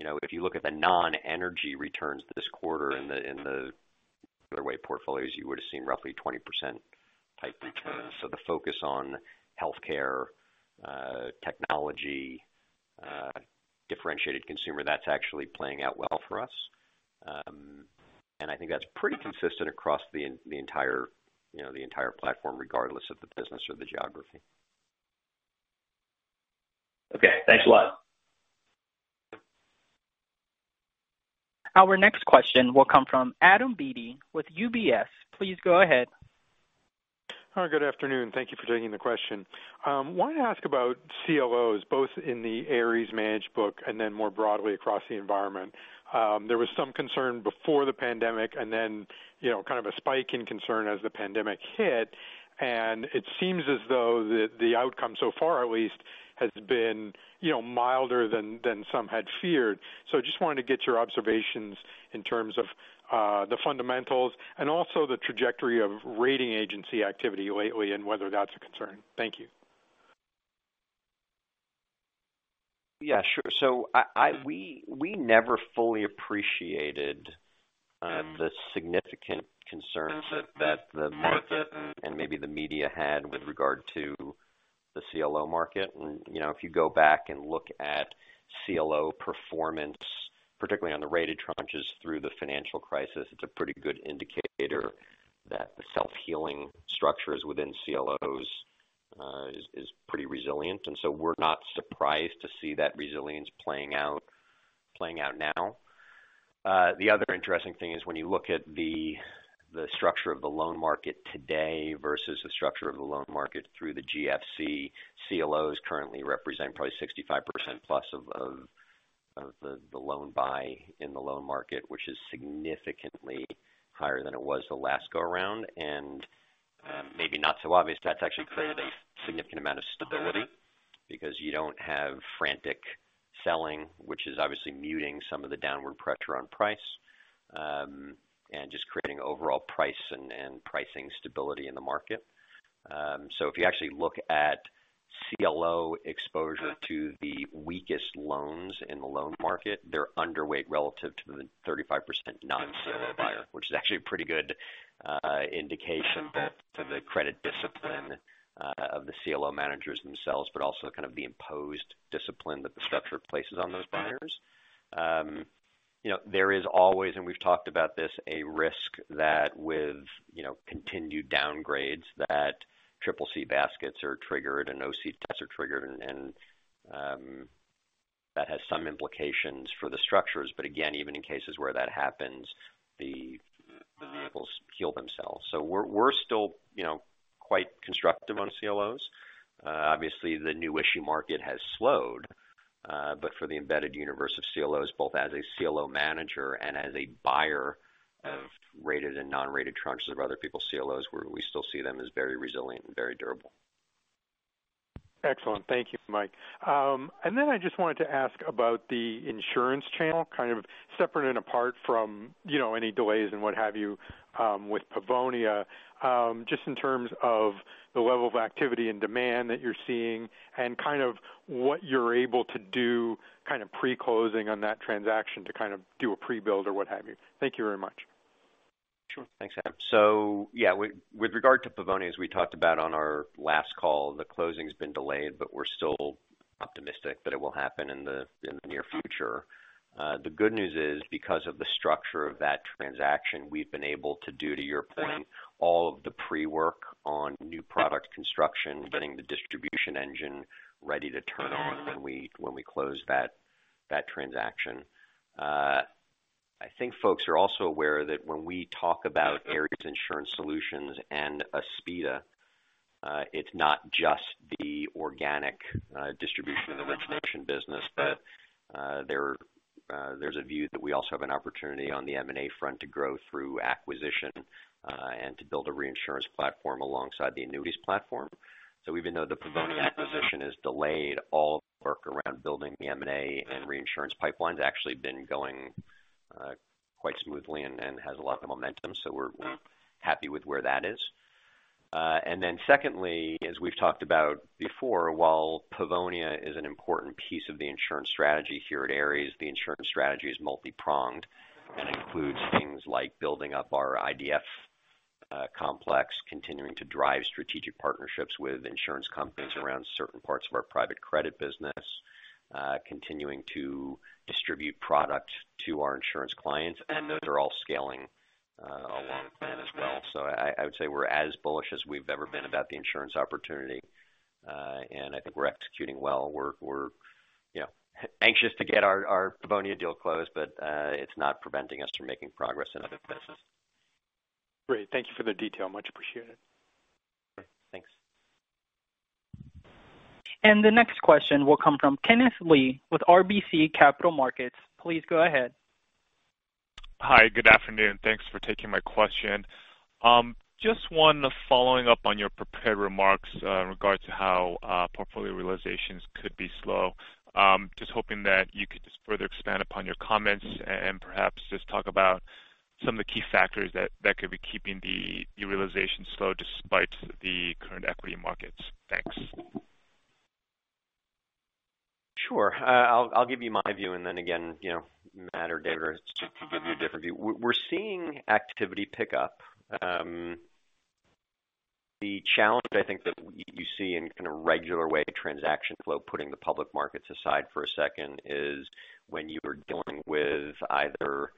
C: portfolio, if you look at the non-energy returns this quarter in the other way portfolios, you would've seen roughly 20%-type returns. The focus on healthcare, technology, differentiated consumer, that's actually playing out well for us. I think that's pretty consistent across the entire platform, regardless of the business or the geography.
H: Okay. Thanks a lot.
A: Our next question will come from Adam Beatty with UBS. Please go ahead.
I: Good afternoon. Thank you for taking the question. Wanted to ask about CLOs, both in the Ares managed book, and then more broadly across the environment. There was some concern before the pandemic, and then kind of a spike in concern as the pandemic hit, and it seems as though the outcome so far at least has been milder than some had feared. Just wanted to get your observations in terms of the fundamentals, and also the trajectory of rating agency activity lately, and whether that's a concern. Thank you.
C: Yeah, sure. We never fully appreciated the significant concerns that the market and maybe the media had with regard to the CLO market. If you go back and look at CLO performance, particularly on the rated tranches through the financial crisis, it's a pretty good indicator that the self-healing structures within CLOs is pretty resilient. We're not surprised to see that resilience playing out now. The other interesting thing is when you look at the structure of the loan market today versus the structure of the loan market through the GFC, CLOs currently represent probably 65% plus of the loan buy in the loan market, which is significantly higher than it was the last go around. Maybe not so obvious, that's actually created a significant amount of stability because you don't have frantic selling, which is obviously muting some of the downward pressure on price, and just creating overall price and pricing stability in the market. If you actually look at CLO exposure to the weakest loans in the loan market, they're underweight relative to the 35% non-CLO buyer, which is actually a pretty good indication to the credit discipline of the CLO managers themselves, but also kind of the imposed discipline that the structure places on those buyers. There is always, and we've talked about this, a risk that with continued downgrades, that CCC baskets are triggered, and OC tests are triggered, and that has some implications for the structures. Again, even in cases where that happens, the vehicles heal themselves. We're still quite constructive on CLOs. Obviously, the new issue market has slowed. For the embedded universe of CLOs, both as a CLO manager and as a buyer of rated and non-rated tranches of other people's CLOs, we still see them as very resilient and very durable.
I: Excellent. Thank you, Mike. I just wanted to ask about the insurance channel, kind of separate and apart from any delays and what have you with Pavonia, just in terms of the level of activity and demand that you're seeing and kind of what you're able to do pre-closing on that transaction to do a pre-build or what have you. Thank you very much.
C: Sure. Thanks, Adam. Yeah, with regard to Pavonia, as we talked about on our last call, the closing's been delayed, but we're still optimistic that it will happen in the near future. The good news is because of the structure of that transaction, we've been able to do, to your point, all of the pre-work on new product construction, getting the distribution engine ready to turn on when we close that transaction. I think folks are also aware that when we talk about Ares Insurance Solutions and Aspida, it's not just the organic distribution of the origination business, but there's a view that we also have an opportunity on the M&A front to grow through acquisition, and to build a reinsurance platform alongside the annuities platform. Even though the Pavonia acquisition is delayed, all the work around building the M&A and reinsurance pipeline has actually been going quite smoothly and has a lot of momentum. We're happy with where that is. Secondly, as we've talked about before, while Pavonia is an important piece of the insurance strategy here at Ares, the insurance strategy is multi-pronged and includes things like building up our IDF complex, continuing to drive strategic partnerships with insurance companies around certain parts of our private credit business, continuing to distribute product to our insurance clients, and those are all scaling along the plan as well. I would say we're as bullish as we've ever been about the insurance opportunity. I think we're executing well. We're anxious to get our Pavonia deal closed, but it's not preventing us from making progress in other places.
I: Great. Thank you for the detail. Much appreciated.
C: Thanks.
A: The next question will come from Kenneth Lee with RBC Capital Markets. Please go ahead.
J: Hi, good afternoon. Thanks for taking my question. Just want to follow up on your prepared remarks in regards to how portfolio realizations could be slow. Just hoping that you could just further expand upon your comments and perhaps just talk about some of the key factors that could be keeping the realizations slow despite the current equity markets. Thanks.
C: Sure. I'll give you my view and then again, Matt or Dinger can give you a different view. We're seeing activity pick up. The challenge I think that you see in kind of regular way transaction flow, putting the public markets aside for a second is when you are dealing with either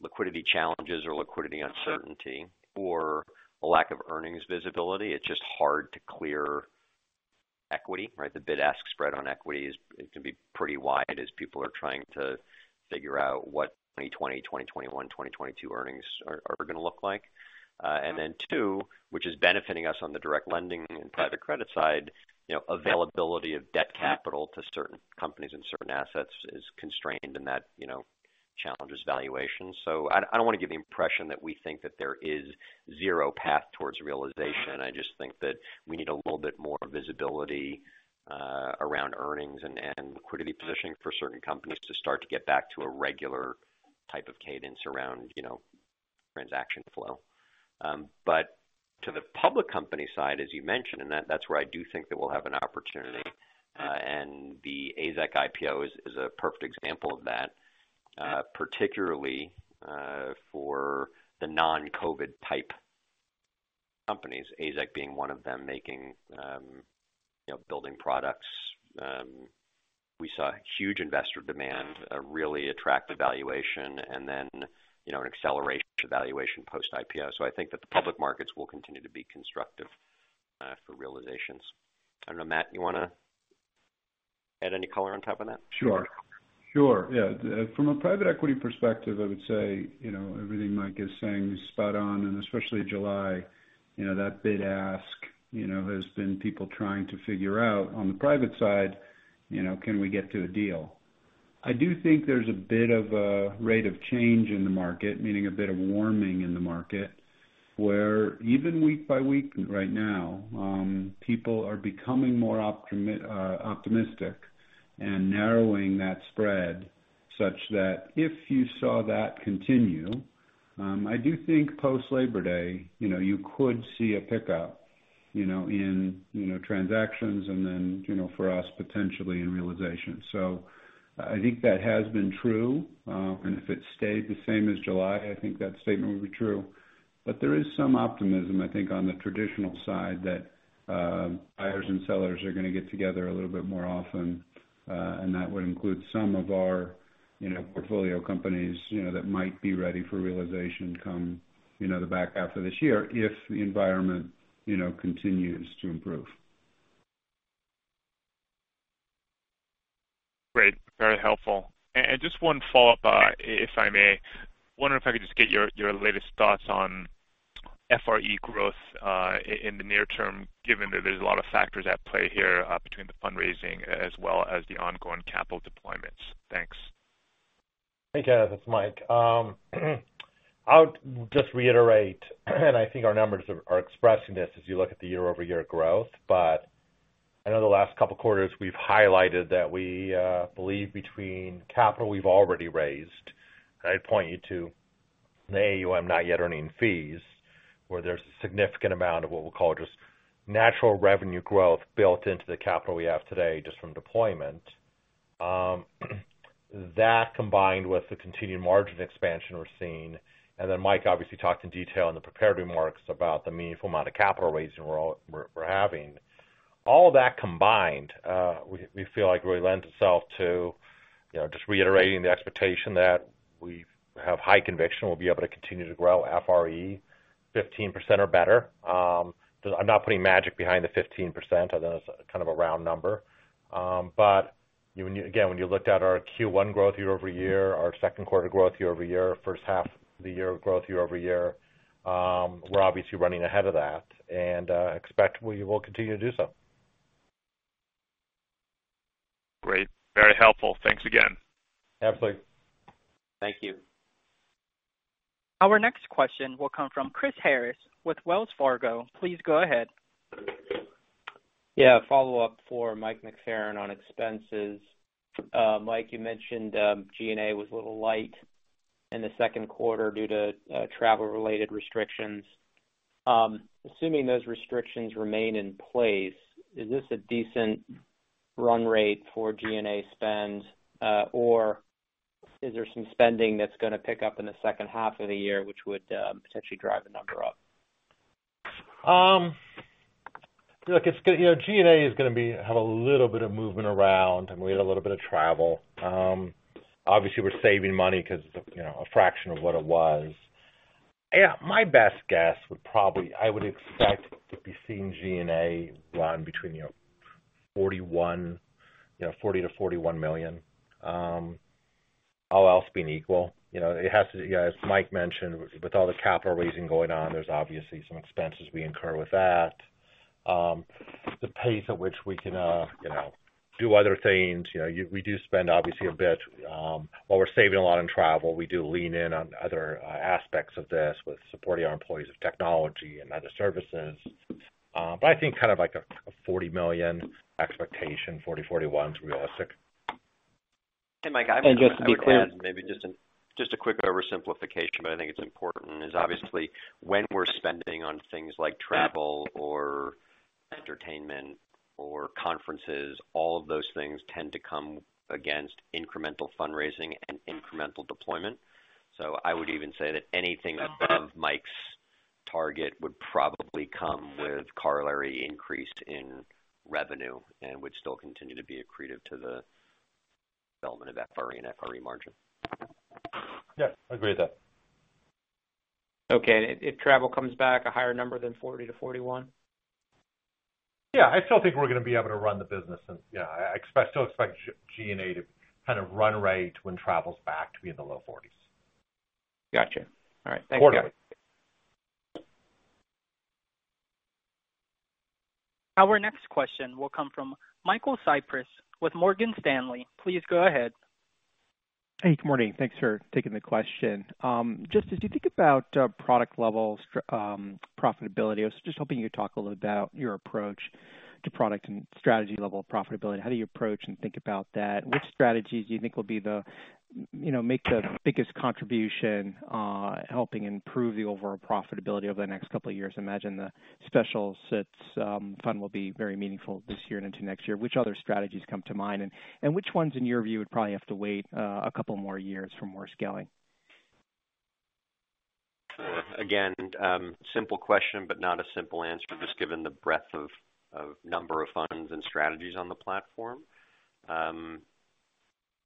C: liquidity challenges or liquidity uncertainty or a lack of earnings visibility, it's just hard to clear equity, right? The bid-ask spread on equity can be pretty wide as people are trying to figure out what 2020, 2021, 2022 earnings are going to look like. Two, which is benefiting us on the direct lending and private credit side, availability of debt capital to certain companies and certain assets is constrained and that challenges valuation. I don't want to give the impression that we think that there is zero path towards realization. I just think that we need a little bit more visibility around earnings and liquidity positioning for certain companies to start to get back to a regular type of cadence around transaction flow. To the public company side, as you mentioned, and that's where I do think that we'll have an opportunity. The AZEK IPO is a perfect example of that particularly for the non-COVID pipe companies, AZEK being one of them making building products. We saw huge investor demand, a really attractive valuation, and then an acceleration to valuation post-IPO. I think that the public markets will continue to be constructive for realizations. I don't know, Matt, you want to add any color on top of that?
G: Sure. Yeah. From a private equity perspective, I would say everything Mike is saying is spot on, especially July. That bid-ask has been people trying to figure out on the private side, can we get to a deal? I do think there's a bit of a rate of change in the market, meaning a bit of warming in the market, where even week by week right now, people are becoming more optimistic and narrowing that spread such that if you saw that continue, I do think post Labor Day you could see a pickup in transactions and then for us potentially in realization. I think that has been true. If it stayed the same as July, I think that statement would be true. There is some optimism, I think on the traditional side that buyers and sellers are going to get together a little bit more often, and that would include some of our portfolio companies that might be ready for realization come the back half of this year if the environment continues to improve.
J: Great. Very helpful. Just one follow-up, if I may. Wondering if I could just get your latest thoughts on FRE growth in the near term, given that there's a lot of factors at play here between the fundraising as well as the ongoing capital deployments. Thanks.
D: Hey, Kenneth, it's Mike. I would just reiterate, I think our numbers are expressing this as you look at the year-over-year growth. I know the last couple of quarters we've highlighted that we believe between capital we've already raised, and I'd point you to AUM not yet earning fees, where there's a significant amount of what we'll call just natural revenue growth built into the capital we have today just from deployment. That, combined with the continued margin expansion we're seeing, Mike obviously talked in detail in the prepared remarks about the meaningful amount of capital raising we're having. All that combined, we feel like really lends itself to just reiterating the expectation that we have high conviction we'll be able to continue to grow FRE 15% or better. I'm not putting magic behind the 15%, other than it's kind of a round number. Again, when you looked at our Q1 growth year-over-year, our second quarter growth year-over-year, first half of the year growth year-over-year, we're obviously running ahead of that and expect we will continue to do so.
J: Great. Very helpful. Thanks again.
D: Absolutely.
C: Thank you.
A: Our next question will come from Chris Harris with Wells Fargo. Please go ahead.
K: Yeah, a follow-up for Mike McFerran on expenses. Mike, you mentioned G&A was a little light in the second quarter due to travel-related restrictions. Assuming those restrictions remain in place, is this a decent run rate for G&A spend? Is there some spending that's going to pick up in the second half of the year, which would potentially drive the number up?
D: Look, G&A is going to have a little bit of movement around, and we had a little bit of travel. Obviously, we're saving money because it's a fraction of what it was. Yeah, my best guess would probably, I would expect to be seeing G&A run between $40 million-$41 million. All else being equal. As Mike mentioned, with all the capital raising going on, there's obviously some expenses we incur with that. The pace at which we can do other things. We do spend, obviously, a bit. While we're saving a lot on travel, we do lean in on other aspects of this with supporting our employees with technology and other services. I think kind of like a $40 million expectation, $40 million-$41 million is realistic.
C: Hey, Mike, I would add maybe just a quick oversimplification, but I think it's important, is obviously when we're spending on things like travel or entertainment or conferences, all of those things tend to come against incremental fundraising and incremental deployment. I would even say that anything above Mike's target would probably come with corollary increase in revenue and would still continue to be accretive to the development of FRE and FRE margin.
D: Yeah, I agree with that.
K: Okay. If travel comes back a higher number than $40-$41?
D: Yeah. I still think we're going to be able to run the business, and I still expect G&A to kind of run rate when travel's back to be in the low 40s.
K: Got you. All right. Thank you.
D: Quarter.
A: Our next question will come from Michael Cyprys with Morgan Stanley. Please go ahead.
L: Hey, good morning. Thanks for taking the question. Just as you think about product level profitability, I was just hoping you could talk a little about your approach to product and strategy level profitability. How do you approach and think about that? Which strategies do you think will make the biggest contribution helping improve the overall profitability over the next couple of years? I imagine the special sits fund will be very meaningful this year and into next year. Which other strategies come to mind, and which ones in your view would probably have to wait a couple more years for more scaling?
C: Sure. Again, simple question, but not a simple answer, just given the breadth of number of funds and strategies on the platform.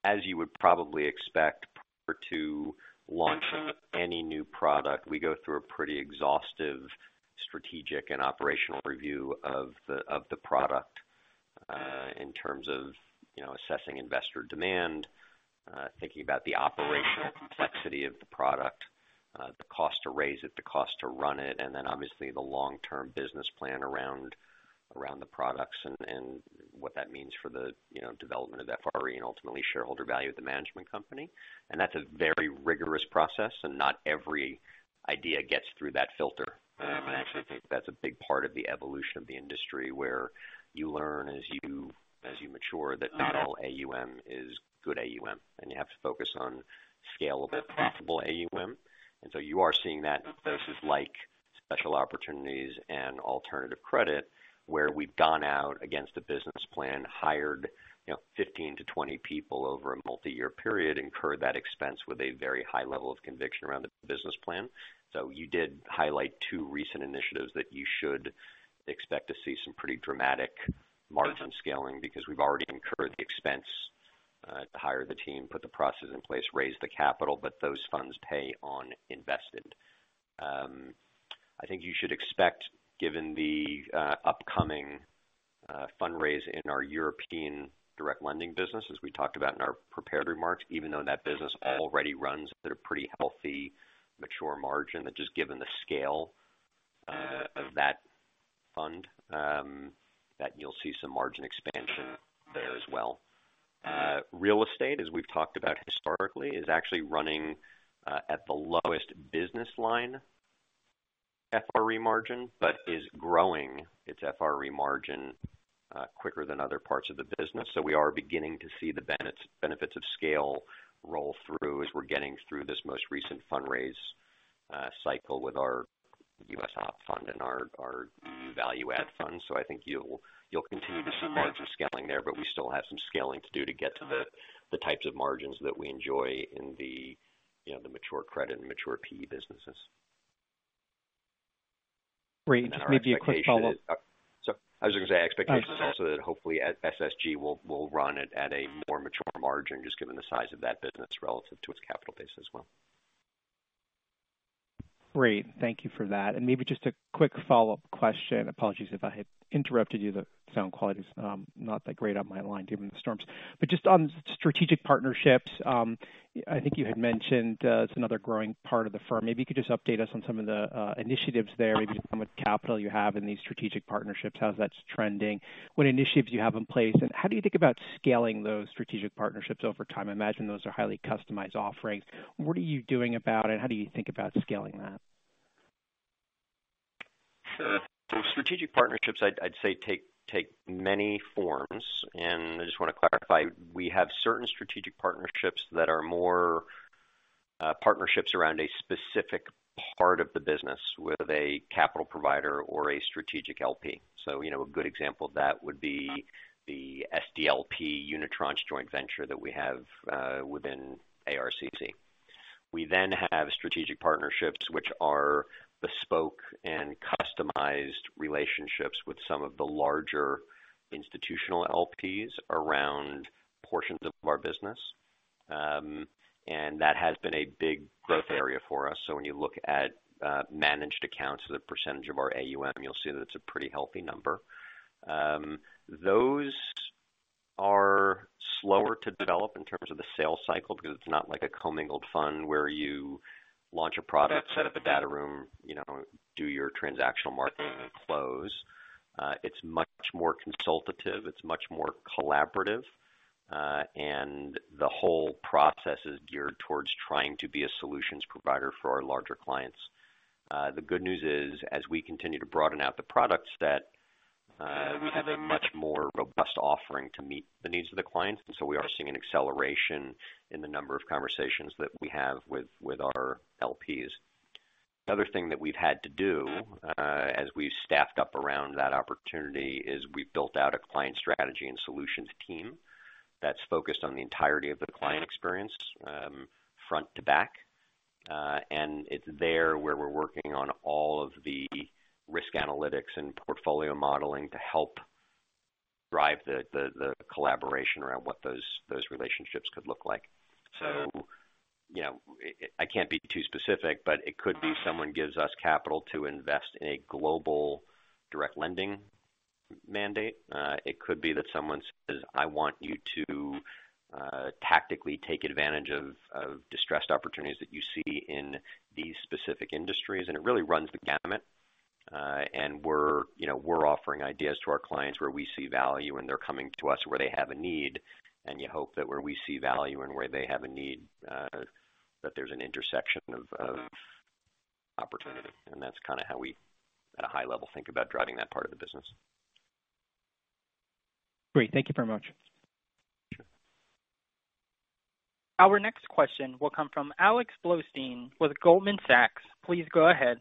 C: As you would probably expect, prior to launching any new product, we go through a pretty exhaustive strategic and operational review of the product in terms of assessing investor demand, thinking about the operational complexity of the product, the cost to raise it, the cost to run it, and then obviously the long-term business plan around the products and what that means for the development of FRE and ultimately shareholder value of the management company. That's a very rigorous process, and not every idea gets through that filter. I actually think that's a big part of the evolution of the industry, where you learn as you mature that not all AUM is good AUM, and you have to focus on scalable, profitable AUM. You are seeing that in places like Special Opportunities and Alternative Credit, where we've gone out against a business plan, hired 15 to 20 people over a multi-year period, incurred that expense with a very high level of conviction around the business plan. You did highlight two recent initiatives that you should expect to see some pretty dramatic margin scaling because we've already incurred the expense to hire the team, put the processes in place, raise the capital, but those funds pay on invested. I think you should expect, given the upcoming fundraise in our European direct lending business, as we talked about in our prepared remarks, even though that business already runs at a pretty healthy mature margin, that just given the scale of that fund, that you'll see some margin expansion there as well. Real estate, as we've talked about historically, is actually running at the lowest business line FRE margin, but is growing its FRE margin quicker than other parts of the business. We are beginning to see the benefits of scale roll through as we're getting through this most recent fundraise cycle with our U.S. opp fund and our value add fund. I think you'll continue to see margin scaling there, but we still have some scaling to do to get to the types of margins that we enjoy in the mature credit and mature PE businesses.
L: Great. Maybe a quick follow-up.
C: Sorry. I was going to say, our expectation is also that hopefully SSG will run it at a more mature margin, just given the size of that business relative to its capital base as well.
L: Great. Thank you for that. Maybe just a quick follow-up question. Apologies if I had interrupted you. The sound quality is not that great on my end, given the storms. Just on strategic partnerships, I think you had mentioned it's another growing part of the firm. Maybe you could just update us on some of the initiatives there, maybe just how much capital you have in these strategic partnerships, how that's trending, what initiatives you have in place, and how do you think about scaling those strategic partnerships over time? I imagine those are highly customized offerings. What are you doing about it? How do you think about scaling that?
C: Sure. Strategic partnerships, I'd say take many forms, and I just want to clarify, we have certain strategic partnerships that are more partnerships around a specific part of the business with a capital provider or a strategic LP. A good example of that would be the SDLP Unitranche joint venture that we have within ARCC. We then have strategic partnerships which are bespoke and customized relationships with some of the larger institutional LPs around portions of our business. That has been a big growth area for us. When you look at managed accounts as a percent of our AUM, you'll see that it's a pretty healthy number. Those are slower to develop in terms of the sales cycle because it's not like a commingled fund where you launch a product, set up a data room, do your transactional marketing, and close. It's much more consultative. It's much more collaborative. The whole process is geared towards trying to be a solutions provider for our larger clients. The good news is, as we continue to broaden out the product set, we have a much more robust offering to meet the needs of the clients. We are seeing an acceleration in the number of conversations that we have with our LPs. The other thing that we've had to do, as we've staffed up around that opportunity, is we've built out a client strategy and solutions team that's focused on the entirety of the client experience, front to back. It's there where we're working on all of the risk analytics and portfolio modeling to help drive the collaboration around what those relationships could look like. I can't be too specific, but it could be someone gives us capital to invest in a global direct lending mandate. It could be that someone says, "I want you to tactically take advantage of distressed opportunities that you see in these specific industries." It really runs the gamut. We're offering ideas to our clients where we see value and they're coming to us where they have a need. You hope that where we see value and where they have a need, that there's an intersection of opportunity. That's kind of how we, at a high level, think about driving that part of the business.
L: Great. Thank you very much.
C: Sure.
A: Our next question will come from Alex Blostein with Goldman Sachs. Please go ahead.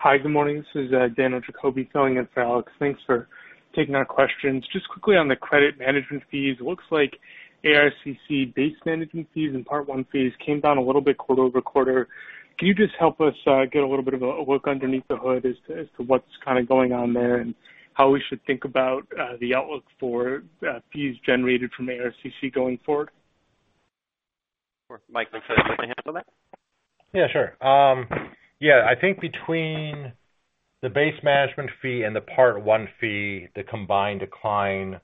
M: Hi. Good morning. This is Daniel Jacoby filling in for Alex. Thanks for taking our questions. Just quickly on the credit management fees. It looks like ARCC base management fees and Part 1 fees came down a little bit quarter-over-quarter. Can you just help us get a little bit of a look underneath the hood as to what's kind of going on there and how we should think about the outlook for fees generated from ARCC going forward?
C: Sure. Mike, you want to take a handle on that?
D: Yeah, sure. I think between the base management fee and the Part 1 fee, the combined decline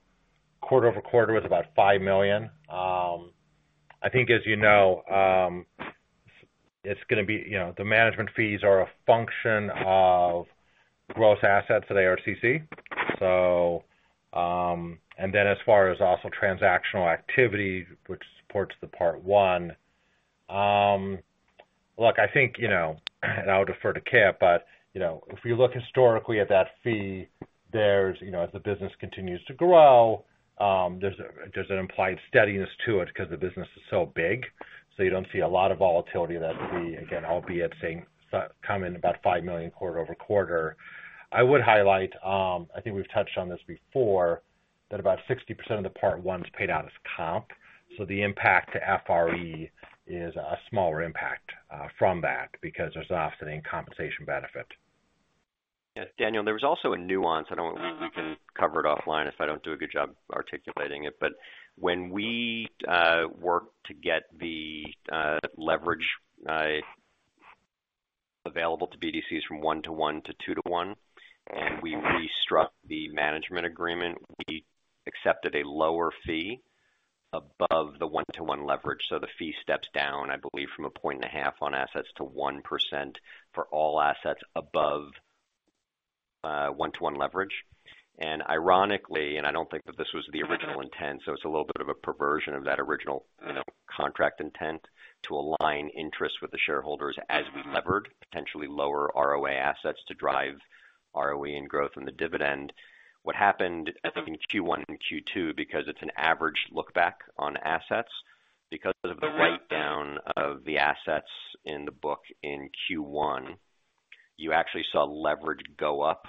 D: quarter-over-quarter was about $5 million. I think as you know, the management fees are a function of gross assets at ARCC. As far as also transactional activity, which supports the Part 1. Look, I think, I would defer to Kipp, if you look historically at that fee, as the business continues to grow, there's an implied steadiness to it because the business is so big. You don't see a lot of volatility in that fee. Again, albeit seeing come in about $5 million quarter-over-quarter. I would highlight, I think we've touched on this before, that about 60% of the Part 1 is paid out as comp. The impact to FRE is a smaller impact from that because there's offsetting compensation benefit.
C: Yeah, Daniel, there was also a nuance. We can cover it offline if I don't do a good job articulating it. When we worked to get the leverage available to BDCs from one-to-one to two-to-one, and we re-struck the management agreement, we accepted a lower fee above the one-to-one leverage. The fee steps down, I believe, from a point and a half on assets to 1% for all assets above one-to-one leverage. Ironically, and I don't think that this was the original intent, so it's a little bit of a perversion of that original contract intent to align interests with the shareholders as we levered potentially lower ROA assets to drive ROE and growth in the dividend. What happened, I think, in Q1 and Q2, because it's an average look back on assets. Because of the write-down of the assets in the book in Q1, you actually saw leverage go up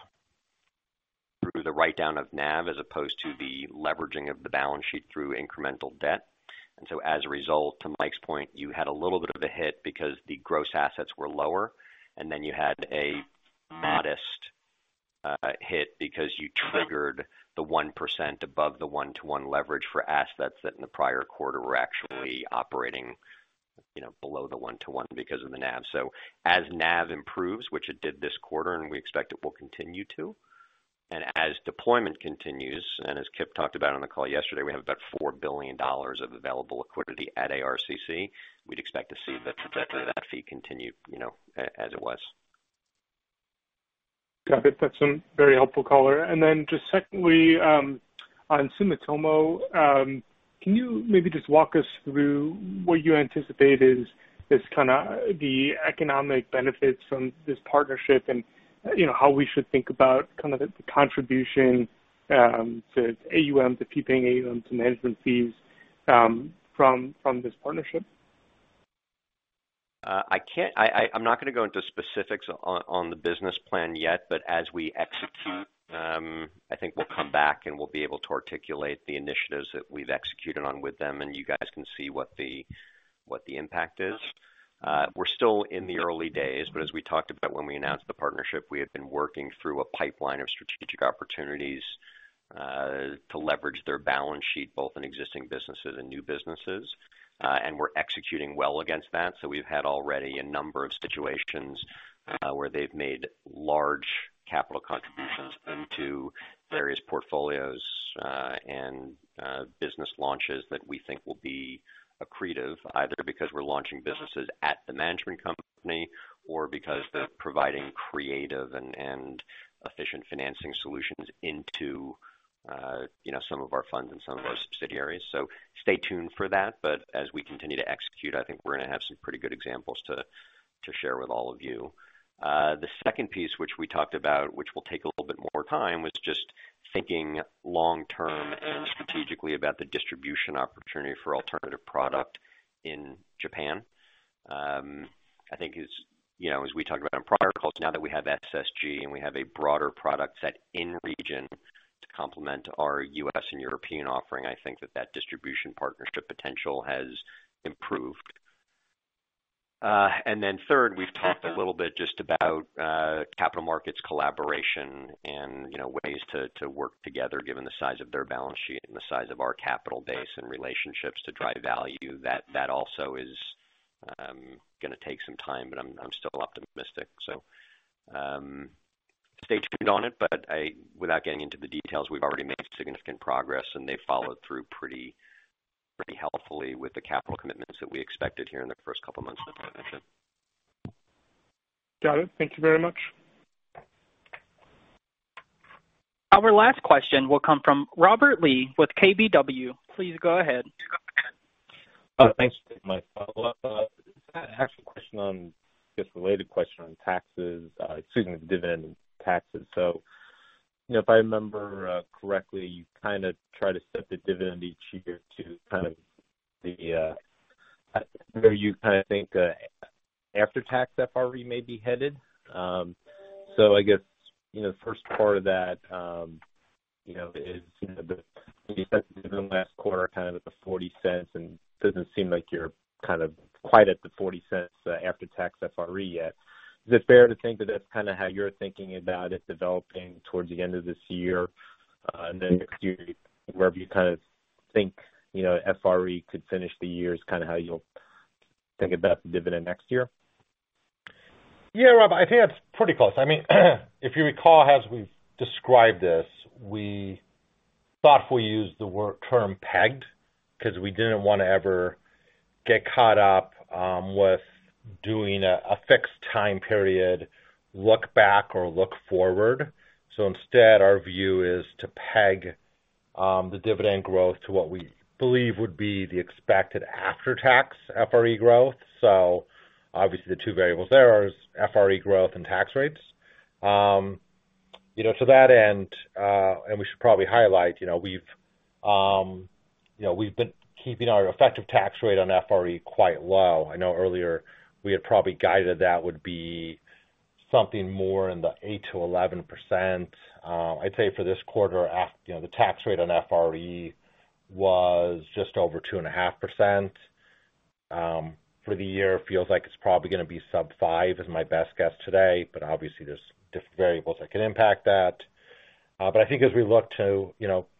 C: through the write-down of NAV as opposed to the leveraging of the balance sheet through incremental debt. As a result, to Mike's point, you had a little bit of a hit because the gross assets were lower, and then you had a modest hit because you triggered the 1% above the one-to-one leverage for assets that in the prior quarter were actually operating below the one-to-one because of the NAV. As NAV improves, which it did this quarter, and we expect it will continue to, and as deployment continues, and as Kipp talked about on the call yesterday, we have about $4 billion of available liquidity at ARCC. We'd expect to see the trajectory of that fee continue as it was.
M: Got it. That's a very helpful color. Just secondly, on Sumitomo. Can you maybe just walk us through what you anticipate is the economic benefits from this partnership, and how we should think about the contribution to AUM, to keeping AUM, to management fees from this partnership?
C: I'm not going to go into specifics on the business plan yet. As we execute, I think we'll come back, and we'll be able to articulate the initiatives that we've executed on with them, and you guys can see what the impact is. We're still in the early days, but as we talked about when we announced the partnership, we have been working through a pipeline of strategic opportunities to leverage their balance sheet, both in existing businesses and new businesses. We're executing well against that. We've had already a number of situations where they've made large capital contributions into various portfolios and business launches that we think will be accretive, either because we're launching businesses at the management company or because they're providing creative and efficient financing solutions into some of our funds and some of our subsidiaries. Stay tuned for that. As we continue to execute, I think we're going to have some pretty good examples to share with all of you. The second piece, which we talked about, which will take a little bit more time, was just thinking long-term and strategically about the distribution opportunity for alternative product in Japan. I think as we talked about on prior calls, now that we have SSG and we have a broader product set in region to complement our U.S. and European offering, I think that that distribution partnership potential has improved. Third, we've talked a little bit just about capital markets collaboration and ways to work together given the size of their balance sheet and the size of our capital base and relationships to drive value. That also is going to take some time, but I'm still optimistic. Stay tuned on it. Without getting into the details, we've already made significant progress, and they followed through pretty helpfully with the capital commitments that we expected here in the first couple of months of the partnership.
M: Got it. Thank you very much.
A: Our last question will come from Robert Lee with KBW. Please go ahead.
E: Thanks. Mike, follow-up. I just had an actual question on, I guess, related question on taxes, excuse me, dividend taxes. If I remember correctly, you kind of try to set the dividend each year to where you kind of think after-tax FRE may be headed. I guess, first part of that is the dividend last quarter kind of at the $0.40, and doesn't seem like you're quite at the $0.40 after-tax FRE yet. Is it fair to think that that's kind of how you're thinking about it developing towards the end of this year? Next year, wherever you kind of think FRE could finish the year is kind of how you'll think about the dividend next year?
D: Yeah, Rob, I think that's pretty close. I mean, if you recall, as we've described this, we thoughtfully used the term pegged because we didn't want to ever get caught up with doing a fixed time period look back or look forward. Instead, our view is to peg the dividend growth to what we believe would be the expected after-tax FRE growth. Obviously the two variables there are FRE growth and tax rates. To that end, and we should probably highlight, we've been keeping our effective tax rate on FRE quite low. I know earlier we had probably guided that would be something more in the 8% to 11%. I'd say for this quarter, the tax rate on FRE was just over 2.5%. For the year, feels like it's probably going to be sub five is my best guess today, obviously there's different variables that can impact that. I think as we look to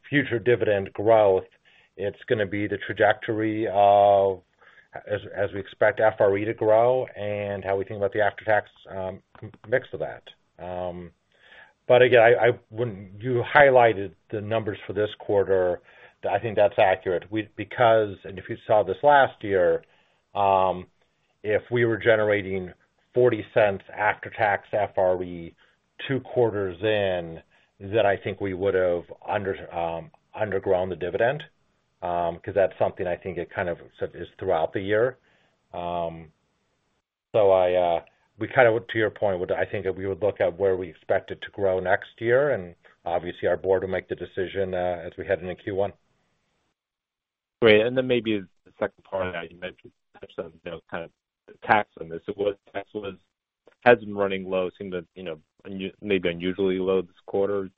D: future dividend growth, it's going to be the trajectory of as we expect FRE to grow and how we think about the after-tax mix of that. Again, you highlighted the numbers for this quarter. I think that's accurate. If you saw this last year, if we were generating $0.40 after-tax FRE two quarters in, then I think we would have undergrown the dividend. That's something I think it kind of is throughout the year. To your point, I think that we would look at where we expect it to grow next year, and obviously our board will make the decision as we head into Q1.
E: Great. Maybe the second part you mentioned, touch on kind of tax on this. Tax has been running low, maybe unusually low this quarter.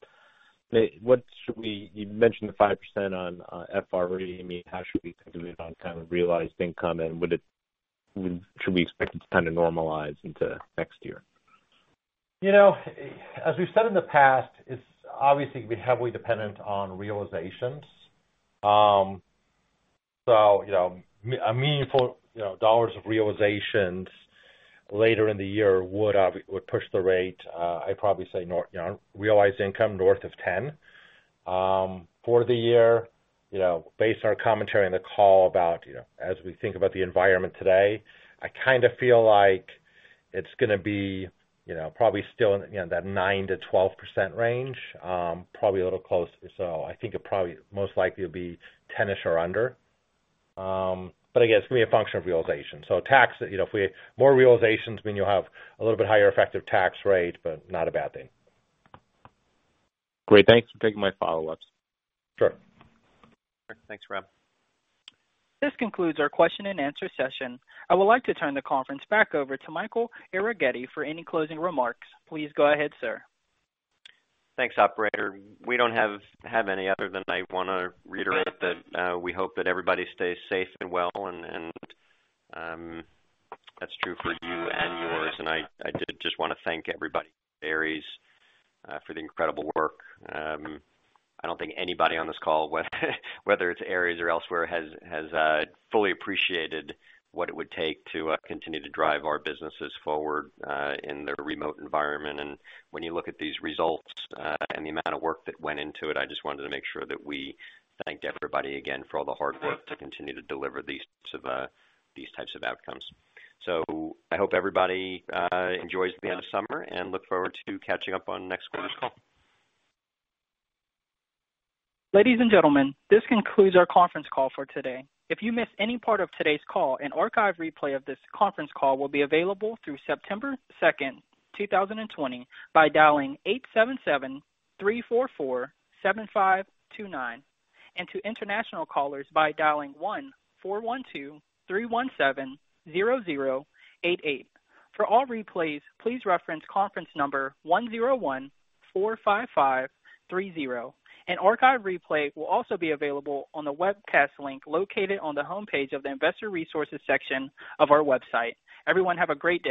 E: You mentioned the 5% on FRE. How should we think of it on kind of realized income, and should we expect it to kind of normalize into next year?
D: As we've said in the past, it's obviously heavily dependent on realizations. Meaningful dollars of realizations later in the year would push the rate. I'd probably say realized income north of 10. For the year, based on our commentary on the call about as we think about the environment today, I kind of feel like it's going to be probably still in that 9%-12% range. Probably a little closer. I think it probably most likely will be 10-ish or under. Again, it's going to be a function of realization. Tax, if we have more realizations, mean you'll have a little bit higher effective tax rate, but not a bad thing.
E: Great. Thanks for taking my follow-ups.
D: Sure.
B: Thanks, Rob.
A: This concludes our question and answer session. I would like to turn the conference back over to Michael Arougheti for any closing remarks. Please go ahead, sir.
C: Thanks, operator. We don't have any other than I want to reiterate that we hope that everybody stays safe and well, and that's true for you and yours. I did just want to thank everybody at Ares for the incredible work. I don't think anybody on this call whether it's Ares or elsewhere, has fully appreciated what it would take to continue to drive our businesses forward in the remote environment. When you look at these results and the amount of work that went into it, I just wanted to make sure that we thanked everybody again for all the hard work to continue to deliver these types of outcomes. I hope everybody enjoys the end of summer and look forward to catching up on next quarter's call.
A: Ladies and gentlemen, this concludes our conference call for today. If you missed any part of today's call, an archive replay of this conference call will be available through September 2nd, 2020, by dialing 877-344-7529, and to international callers by dialing 1-412-317-0088. For all replays, please reference conference number 10145530. An archive replay will also be available on the webcast link located on the homepage of the Investor Resources section of our website. Everyone have a great day.